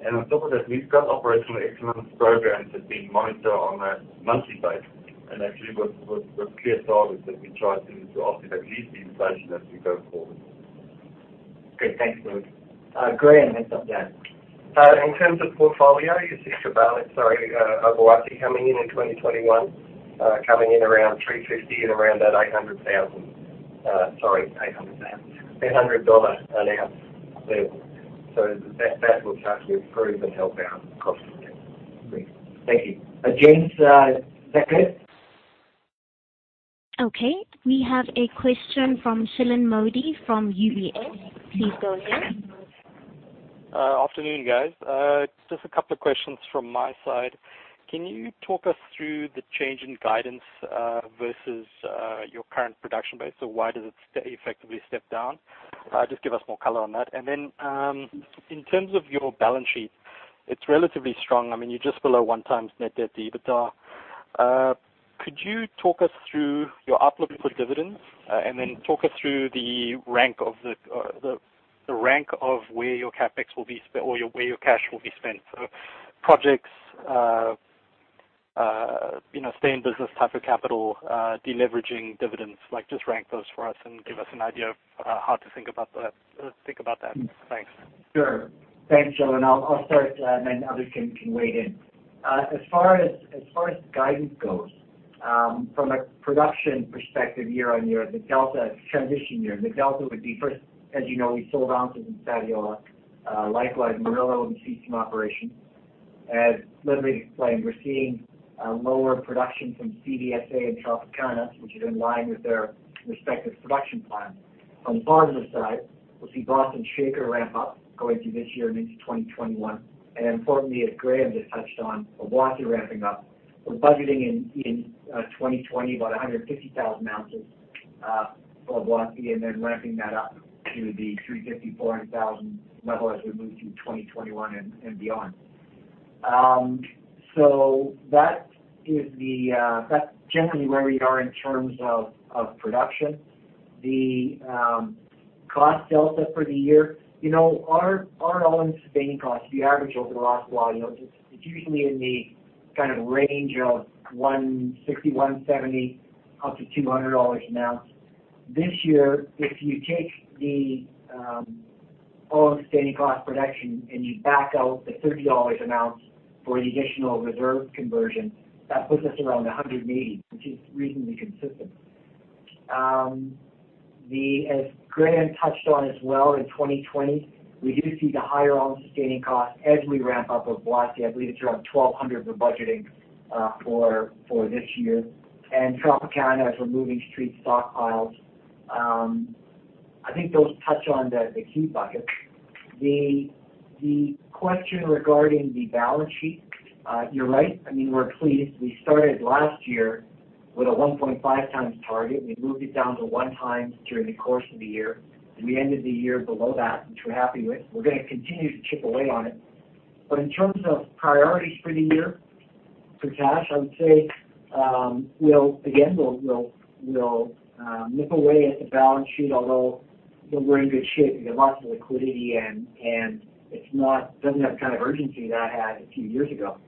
On top of that, we've got operational excellence programs that we monitor on a monthly basis. Actually, with clear targets that we try to offset at least the inflation as we go forward. Good. Thanks, Ludwig. Graham, how's that? In terms of portfolio, you see, [inaudible] Obuasi coming in in 2021, coming in around 350 and around that $800 an ounce level. That will start to improve and help our cost compete. Great. Thank you. James, is that good? Okay. We have a question from Shilan Modi from UBS. Please go ahead. Afternoon, guys. Just a couple of questions from my side. Can you talk us through the change in guidance versus your current production base? Why does it effectively step down? Just give us more color on that. In terms of your balance sheet, it's relatively strong. You're just below 1 times net debt to EBITDA. Could you talk us through your outlook for dividends? Talk us through the rank of where your CapEx will be or where your cash will be spent. Projects, stay in business type of capital, deleveraging dividends, just rank those for us and give us an idea of how to think about that. Thanks. Sure. Thanks, Shilan. I'll start, and then others can weigh in. As far as guidance goes, from a production perspective year-on-year, the delta transition year, the delta would be first, as you know, we sold ounces in Sadiola. Likewise, Morila will cease some operations. As Ludwig explained, we're seeing a lower production from CVSA and Tropicana, which is in line with their respective production plans. Importantly, as Graham just touched on, Obuasi ramping up. We're budgeting in 2020, about 150,000oz, Obuasi, and then ramping that up to the 350,000, 400,000 level as we move to 2021 and beyond. That's generally where we are in terms of production. The cost delta for the year. Our all-in sustaining costs, we average over the last while, it's usually in the range of $160, $170 up to $200 an ounce. This year, if you take the all-in sustaining cost production and you back out the $30 an ounce for the additional reserve conversion, that puts us around $180, which is reasonably consistent. As Graham touched on as well in 2020, we do see the higher all-in sustaining costs as we ramp up Obuasi. I believe it's around $1,200 we're budgeting for this year. Tropicana, as we're moving stream stockpiles. I think those touch on the key buckets. The question regarding the balance sheet. You're right. We're pleased. We started last year with a 1.5x target. We moved it down to 1 time during the course of the year, and we ended the year below that, which we're happy with. We're going to continue to chip away on it. In terms of priorities for the year, for cash, I would say, again, we'll nip away at the balance sheet, although we're in good shape. We have lots of liquidity, and it doesn't have the kind of urgency that it had a few years ago.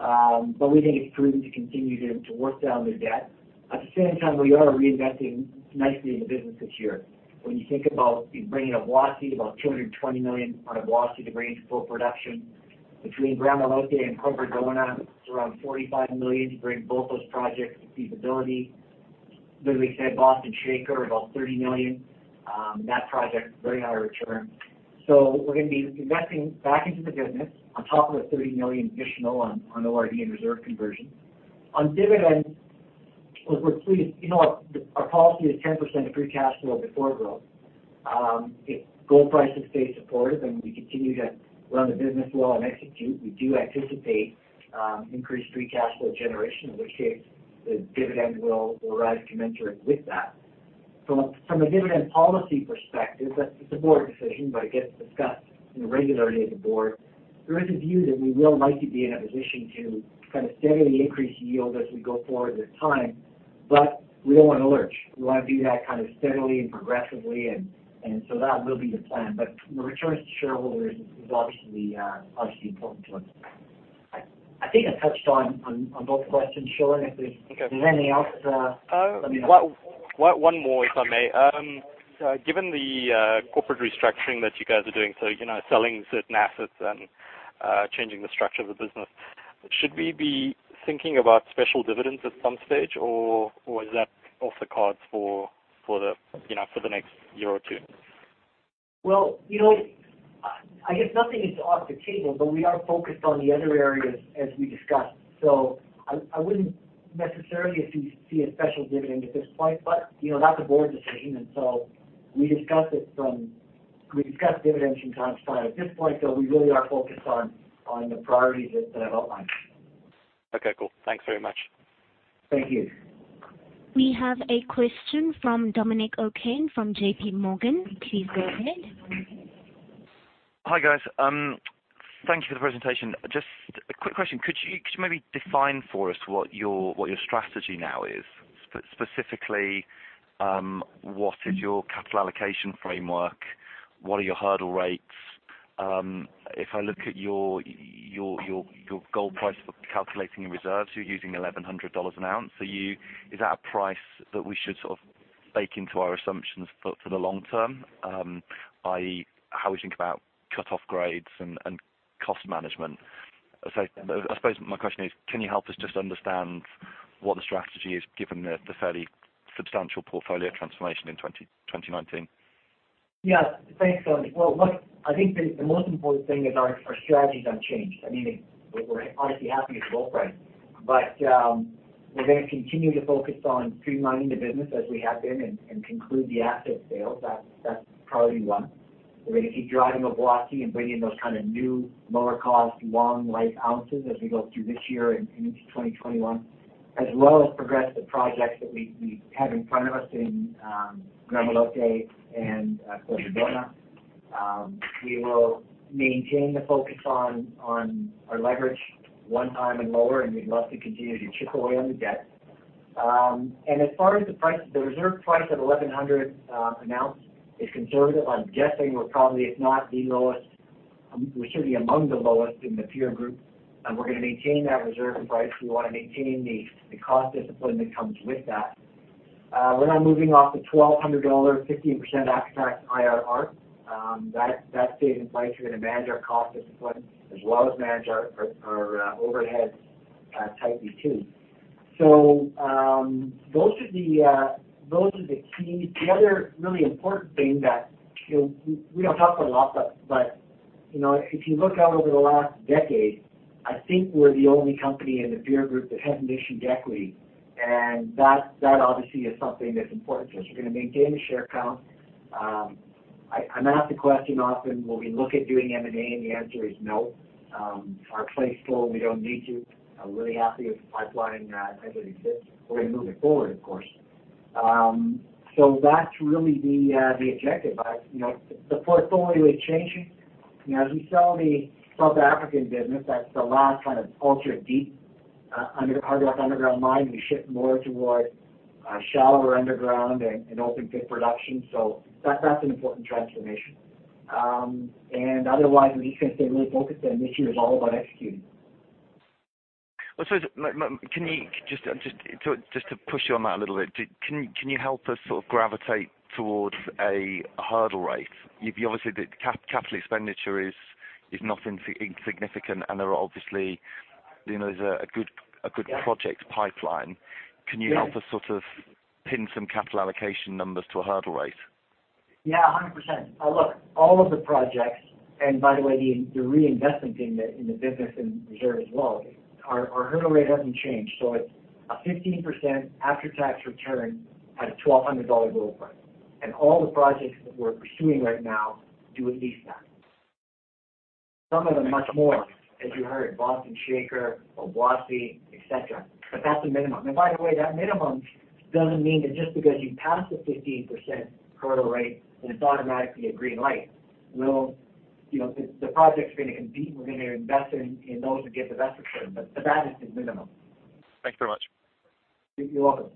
We think it's prudent to continue to work down the debt. At the same time, we are reinvesting nicely in the business this year. When you think about bringing Obuasi, about $220 million on Obuasi to bring it to full production. Between Gramalote and Quebradona, it's around $45 million to bring both those projects to feasibility. Ludwig said Boston Shaker, about $30 million. That project, very high return. We're going to be investing back into the business on top of the $30 million additional on ORD and reserve conversion. On dividends, look, we're pleased. Our policy is 10% free cash flow before growth. If gold prices stay supportive and we continue to run the business well and execute, we do anticipate increased free cash flow generation, in which case the dividend will rise commensurately with that. From a dividend policy perspective, that's the board decision, but it gets discussed regularly at the board. There is a view that we will likely be in a position to steadily increase yield as we go forward with time, but we don't want to lurch. We want to do that steadily and progressively. That will be the plan. The return to shareholders is obviously important to us. I think I touched on both questions, Shilan. Okay Anything else, let me know. One more, if I may. Given the corporate restructuring that you guys are doing, selling certain assets and changing the structure of the business, should we be thinking about special dividends at some stage, or is that off the cards for the next year or two? I guess nothing is off the table, but we are focused on the other areas as we discussed. I wouldn't necessarily see a special dividend at this point. That's a board decision, and so we discuss dividends from time to time. At this point, though, we really are focused on the priorities that I've outlined. Okay, cool. Thanks very much. Thank you. We have a question from Dominic O'Kane from JPMorgan. Please go ahead. Hi, guys. Thank you for the presentation. Just a quick question. Could you maybe define for us what your strategy now is? Specifically, what is your capital allocation framework? What are your hurdle rates? If I look at your gold price for calculating your reserves, you're using $1,100 an ounce. Is that a price that we should sort of bake into our assumptions for the long term, i.e., how we think about cutoff grades and cost management? I suppose my question is, can you help us just understand what the strategy is given the fairly substantial portfolio transformation in 2019? Yeah. Thanks, Dominic. Look, I think the most important thing is our strategies unchanged. We're obviously happy with gold price, but we're going to continue to focus on pre-mining the business as we have been and conclude the asset sales. That's priority one. We're going to keep driving Obuasi and bring in those kind of new lower cost, long life ounces as we go through this year and into 2021, as well as progress the projects that we have in front of us in Gramalote and Quebradona. We will maintain the focus on our leverage one time and lower, and we'd love to continue to chip away on the debt. As far as the reserve price at $1,100 an ounce is conservative, I'm guessing we're probably, if not the lowest, we should be among the lowest in the peer group, and we're going to maintain that reserve price. We want to maintain the cost discipline that comes with that. We're not moving off the $1,200 15% after-tax IRR. That stays in place. We're going to manage our cost discipline as well as manage our overhead tightly, too. Those are the keys. The other really important thing that we don't talk about a lot, but if you look out over the last decade, I think we're the only company in the peer group that hasn't issued equity, and that obviously is something that's important to us. We're going to maintain the share count. I'm asked the question often, will we look at doing M&A, and the answer is no. Our plates are full. We don't need to. I'm really happy with the pipeline that exists. We're going to move it forward, of course. That's really the objective. The portfolio is changing. As we sell the South African business, that's the last kind of ultra deep hard rock underground mine. We shift more towards shallower underground and open pit production. That's an important transformation. Otherwise, we just going to stay really focused, and this year is all about executing. Just to push you on that a little bit, can you help us sort of gravitate towards a hurdle rate? Obviously, the capital expenditure is not insignificant, and there are obviously, there's a good project pipeline. Yeah. Can you help us sort of pin some capital allocation numbers to a hurdle rate? Yeah, 100%. Look, all of the projects, and by the way, the reinvestment in the business and reserve as well, our hurdle rate hasn't changed. It's a 15% after-tax return at a $1,200 gold price. All the projects that we're pursuing right now do at least that. Some of them much more, as you heard, Boston Shaker, Obuasi, et cetera. That's a minimum. By the way, that minimum doesn't mean that just because you pass a 15% hurdle rate, then it's automatically a green light. The project is going to compete. We're going to invest in those that give the best return, but that is the minimum. Thanks very much. You're welcome.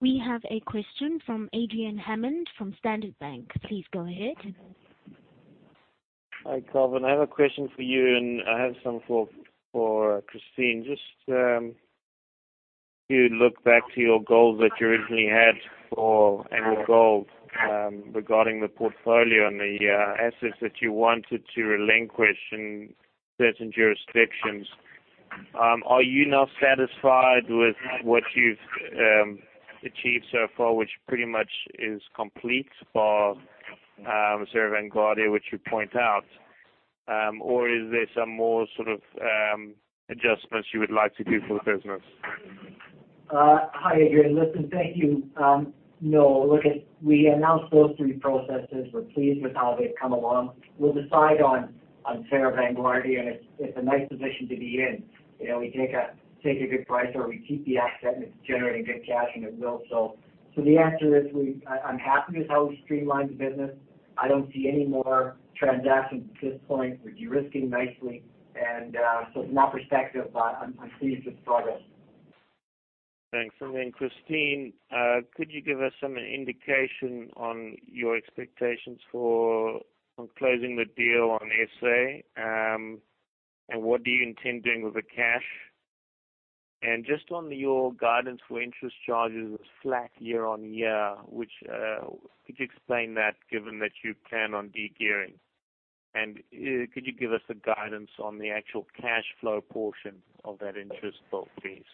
We have a question from Adrian Hammond from Standard Bank. Please go ahead. Hi, Kelvin. I have a question for you, and I have some for Christine. Just to look back to your goals that you originally had for AngloGold regarding the portfolio and the assets that you wanted to relinquish in certain jurisdictions, are you now satisfied with what you've achieved so far, which pretty much is complete bar Serra Grande, which you point out? Is there some more adjustments you would like to do for the business? Hi, Adrian. Listen, thank you. No, look, we announced those three processes. We're pleased with how they've come along. We'll decide on Serra Grande, and it's a nice position to be in. We take a good price or we keep the asset and it's generating good cash and it will. The answer is, I'm happy with how we've streamlined the business. I don't see any more transactions at this point. We're de-risking nicely. From that perspective, I'm pleased with progress. Thanks. Christine, could you give us some indication on your expectations for closing the deal on SA, and what do you intend doing with the cash? On your guidance for interest charges was flat year-on-year, could you explain that, given that you plan on de-gearing? Could you give us a guidance on the actual cash flow portion of that interest bill, please?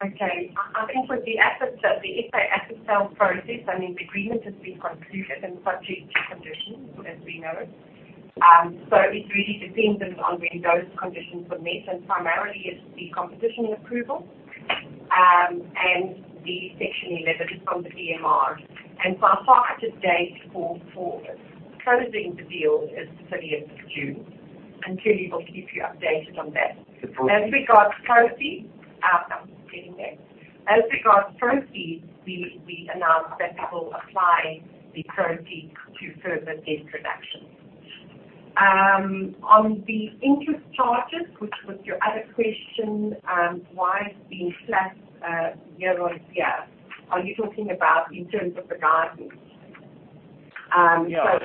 Okay. I think with the asset, the SA asset sales process, the agreement has been concluded and subject to conditions, as we know. It really depends on when those conditions are met, and primarily it's the competition approval, and the Section 11 from the DMR. Our target date for closing the deal is the 30th of June. Charlie will keep you updated on that. As regards proceeds, we announced that we will apply the proceeds to further debt reductions. On the interest charges, which was your other question, why it's been flat year-on-year. Are you talking about in terms of the guidance? Yeah.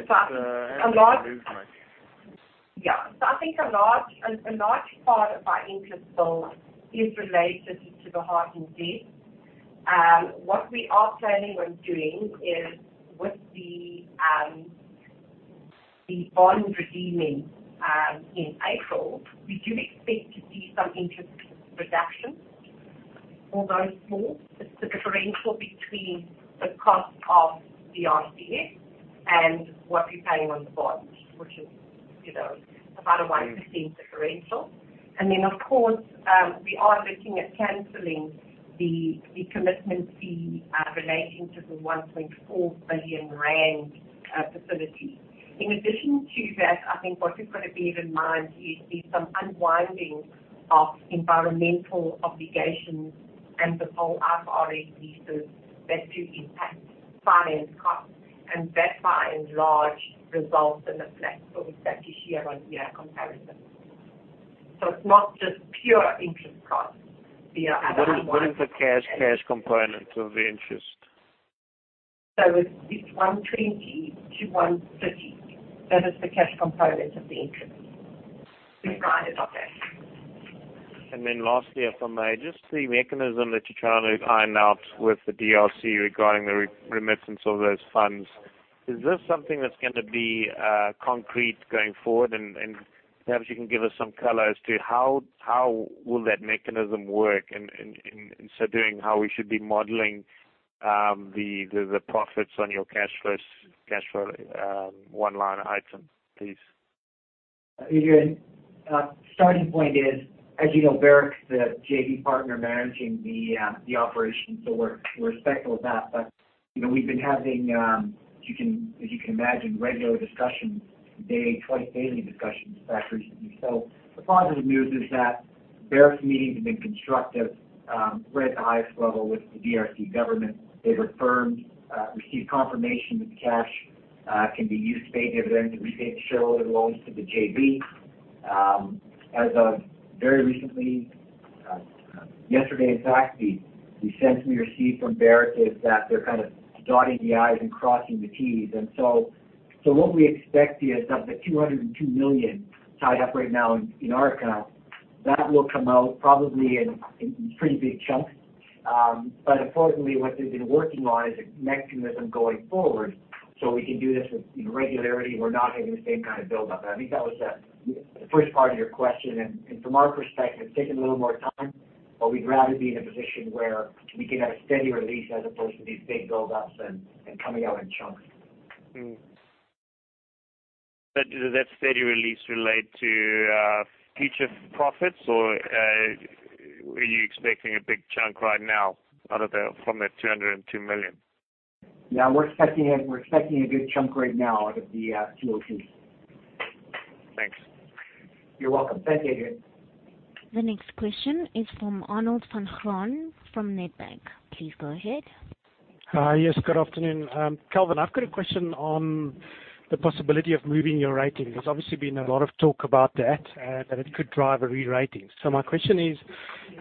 I think a large part of our interest bill is related to the hardened debt. What we are planning on doing is with the bond redeeming in April, we do expect to see some interest reduction, although small. It's the differential between the cost of the RCF and what we pay on the bond, which is about a 1% differential. Of course, we are looking at canceling the commitment fee relating to the 1.4 billion rand facility. In addition to that, I think what you've got to bear in mind here is there's some unwinding of environmental obligations and the whole IFRS 16 leases that do impact finance costs. That, by and large, results in the flat for the second year-over-year comparison. It's not just pure interest costs. What is the cash component of the interest? It's $120-$130. That is the cash component of the interest. We've provided on that. Lastly, if I may, just the mechanism that you're trying to iron out with the DRC regarding the remittance of those funds, is this something that's going to be concrete going forward? Perhaps you can give us some color as to how will that mechanism work and in so doing, how we should be modeling the profits on your cash flow one line item, please. Adrian, starting point is, as you know, Barrick is the JV partner managing the operation. We're respectful of that. We've been having, as you can imagine, regular discussions, twice daily discussions as of recently. The positive news is that Barrick's meetings have been constructive, right at the highest level with the DRC government. They've received confirmation that the cash can be used to pay dividends and repay the shareholder loans to the JV. As of very recently, yesterday in fact, the sense we received from Barrick is that they're kind of dotting the I's and crossing the T's. What we expect is of the $202 million tied up right now in our account, that will come out probably in pretty big chunks. Importantly, what they've been working on is a mechanism going forward, so we can do this with regularity and we're not having the same kind of buildup. I think that was the first part of your question, and from our perspective, it's taking a little more time, but we'd rather be in a position where we can have a steady release as opposed to these big buildups and coming out in chunks. Does that steady release relate to future profits or were you expecting a big chunk right now from that $202 million? Yeah, we're expecting a good chunk right now out of the 202. Thanks. You're welcome. Thanks, Adrian. The next question is from Arnold van Graan from Nedbank. Please go ahead. Yes, good afternoon. Kelvin, I've got a question on the possibility of moving your rating. There's obviously been a lot of talk about that it could drive a re-rating. My question is,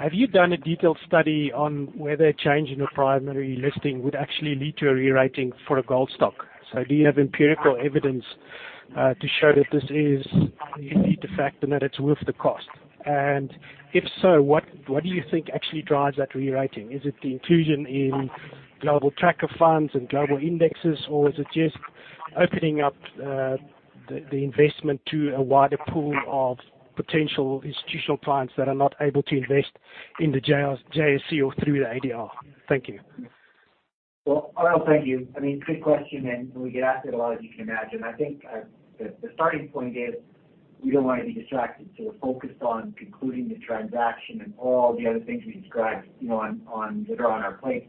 have you done a detailed study on whether a change in your primary listing would actually lead to a re-rating for a gold stock? Do you have empirical evidence to show that this is indeed the fact and that it's worth the cost? If so, what do you think actually drives that re-rating? Is it the inclusion in global tracker funds and global indexes, or is it just opening up the investment to a wider pool of potential institutional clients that are not able to invest in the JSE or through the ADR? Thank you. Well, thank you. Good question. We get asked it a lot, as you can imagine. I think the starting point is we don't want to be distracted. We're focused on concluding the transaction and all the other things we described that are on our plate.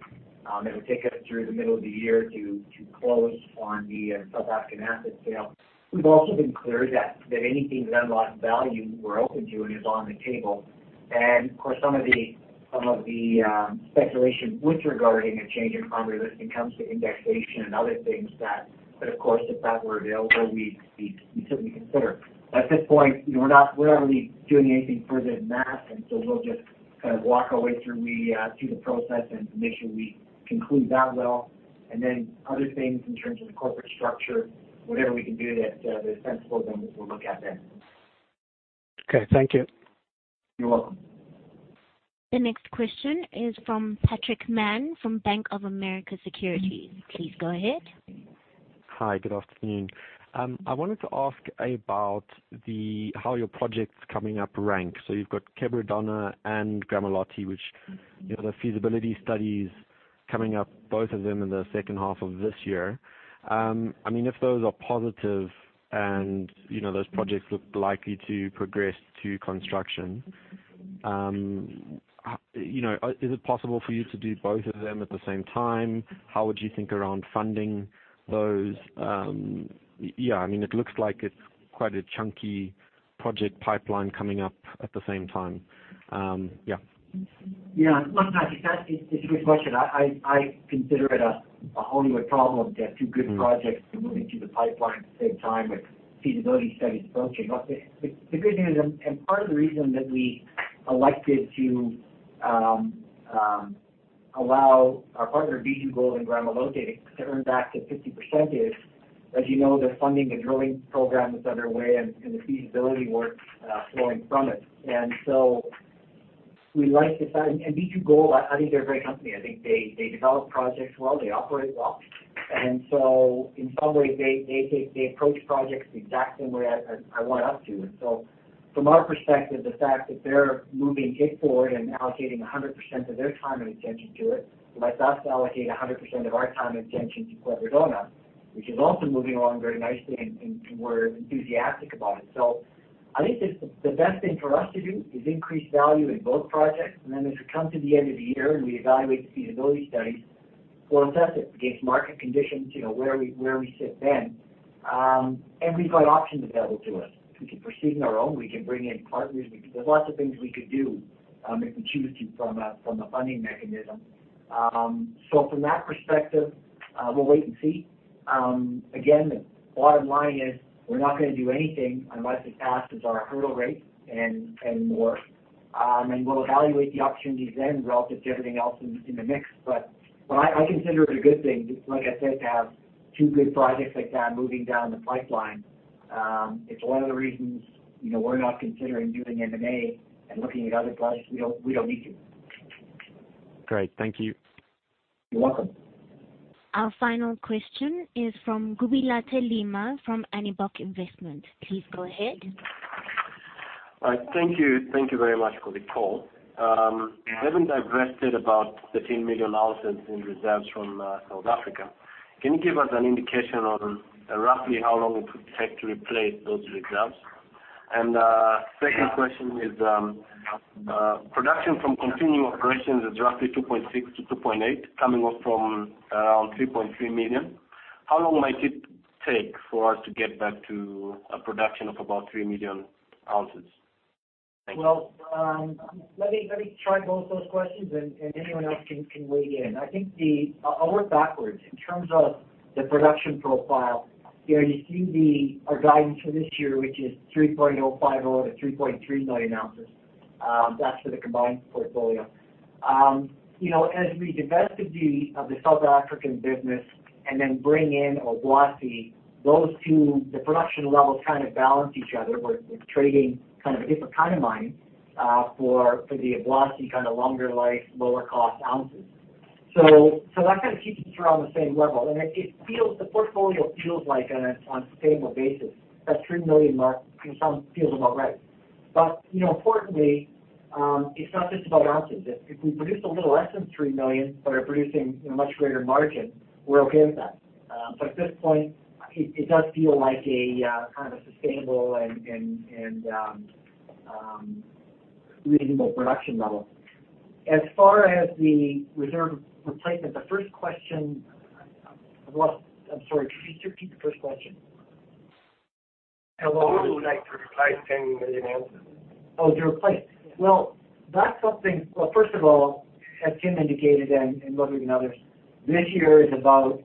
It would take us through the middle of the year to close on the South African asset sale. We've also been clear that anything that unlocks value, we're open to and is on the table. Of course, some of the speculation with regarding a change in primary listing comes to indexation and other things that, of course, if that were available, we'd certainly consider. At this point, we're not really doing anything further than that. We'll just kind of walk our way through the process and make sure we conclude that well. Other things in terms of the corporate structure, whatever we can do that is sensible, then we'll look at then. Okay, thank you. You're welcome. The next question is from Patrick Mann from Bank of America Securities. Please go ahead. Hi, good afternoon. I wanted to ask about how your projects coming up rank. You've got Quebradona and Gramalote, which the feasibility studies coming up, both of them in the second half of this year. If those are positive and those projects look likely to progress to construction, is it possible for you to do both of them at the same time? How would you think around funding those? It looks like it's quite a chunky project pipeline coming up at the same time. Yeah. Yeah. Look, Patrick, that's a good question. I consider it a Hollywood problem to have two good projects moving through the pipeline at the same time with feasibility studies approaching. Look, the good news and part of the reason that we elected to allow our partner, B2Gold and Gramalote, to earn back to 50% is, as you know, they're funding the drilling program that's underway and the feasibility work flowing from it. B2Gold, I think they're a great company. I think they develop projects well, they operate well. In some ways, they approach projects the exact same way as I want us to. From our perspective, the fact that they're moving it forward and allocating 100% of their time and attention to it, lets us allocate 100% of our time and attention to Quebradona, which is also moving along very nicely, and we're enthusiastic about it. I think the best thing for us to do is increase value in both projects, and then as we come to the end of the year and we evaluate the feasibility studies, we'll assess it against market conditions, where we sit then. We've got options available to us. We can proceed on our own. We can bring in partners. There's lots of things we could do if we choose to from a funding mechanism. From that perspective, we'll wait and see. Again, the bottom line is we're not going to do anything unless it passes our hurdle rates and more, and we'll evaluate the opportunities then relative to everything else in the mix. I consider it a good thing, like I said, to have two good projects like that moving down the pipeline. It's one of the reasons we're not considering doing M&A and looking at other projects. We don't need to. Great. Thank you. You're welcome. Our final question is from Guilherme Lima from JPMorgan. Please go ahead. Thank you. Thank you very much for the call. Having divested about 13 million ounces in reserves from South Africa, can you give us an indication on roughly how long it would take to replace those reserves? Second question is, production from continuing operations is roughly 2.6 to 2.8, coming off from around 3.3 million. How long might it take for us to get back to a production of about three million ounces? Thank you. Well, let me try both those questions, and anyone else can weigh in. I'll work backwards. In terms of the production profile, you see our guidance for this year, which is 3.050 to 3.3 million ounces. That's for the combined portfolio. As we divested the South African business and bring in Obuasi, those two, the production levels kind of balance each other. We're trading kind of a different kind of mine for the Obuasi, kind of longer life, lower cost ounces. That kind of keeps us around the same level. The portfolio feels like on a sustainable basis, that 3 million mark feels about right. Importantly, it's not just about ounces. If we produce a little less than 3 million, but are producing a much greater margin, we're okay with that. At this point, it does feel like a kind of a sustainable and reasonable production level. As far as the reserve replacement, the first question, I've lost I'm sorry, could you repeat the first question? How long would it take to replace 10 million ounces? Well, first of all, as Tim indicated, and probably others, this year is about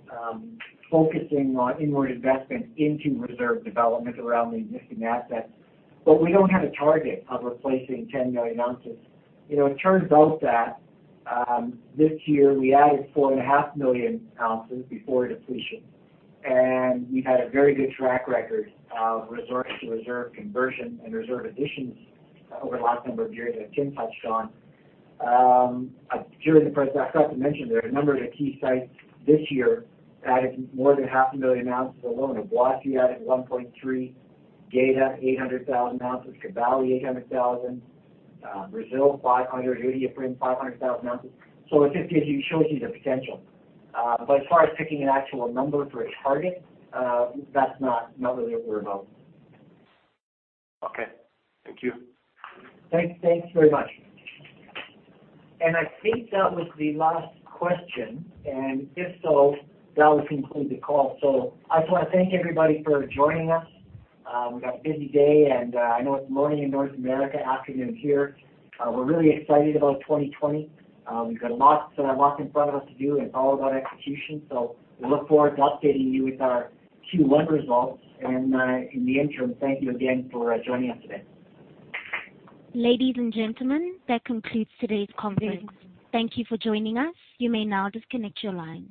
focusing on inward investment into reserve development around the existing assets. We don't have a target of replacing 10 million ounces. It turns out that this year we added four and a half million ounces before depletion, and we've had a very good track record of resource to reserve conversion and reserve additions over the last number of years that Tim touched on. During the process, I forgot to mention there are a number of the key sites this year added more than half a million ounces alone. Obuasi added 1.3, Geita, 800,000oz, Kibali, 800,000, Brazil, 500,000, Iduapriem, 500,000oz. It just shows you the potential. As far as picking an actual number for a target, that's not really what we're about. Okay. Thank you. Thanks very much. I think that was the last question, and if so, that will conclude the call. I just want to thank everybody for joining us. We've got a busy day, and I know it's morning in North America, afternoon here. We're really excited about 2020. We've got lots in front of us to do, and it's all about execution. We look forward to updating you with our Q1 results. In the interim, thank you again for joining us today. Ladies and gentlemen, that concludes today's conference. Thank you for joining us. You may now disconnect your lines.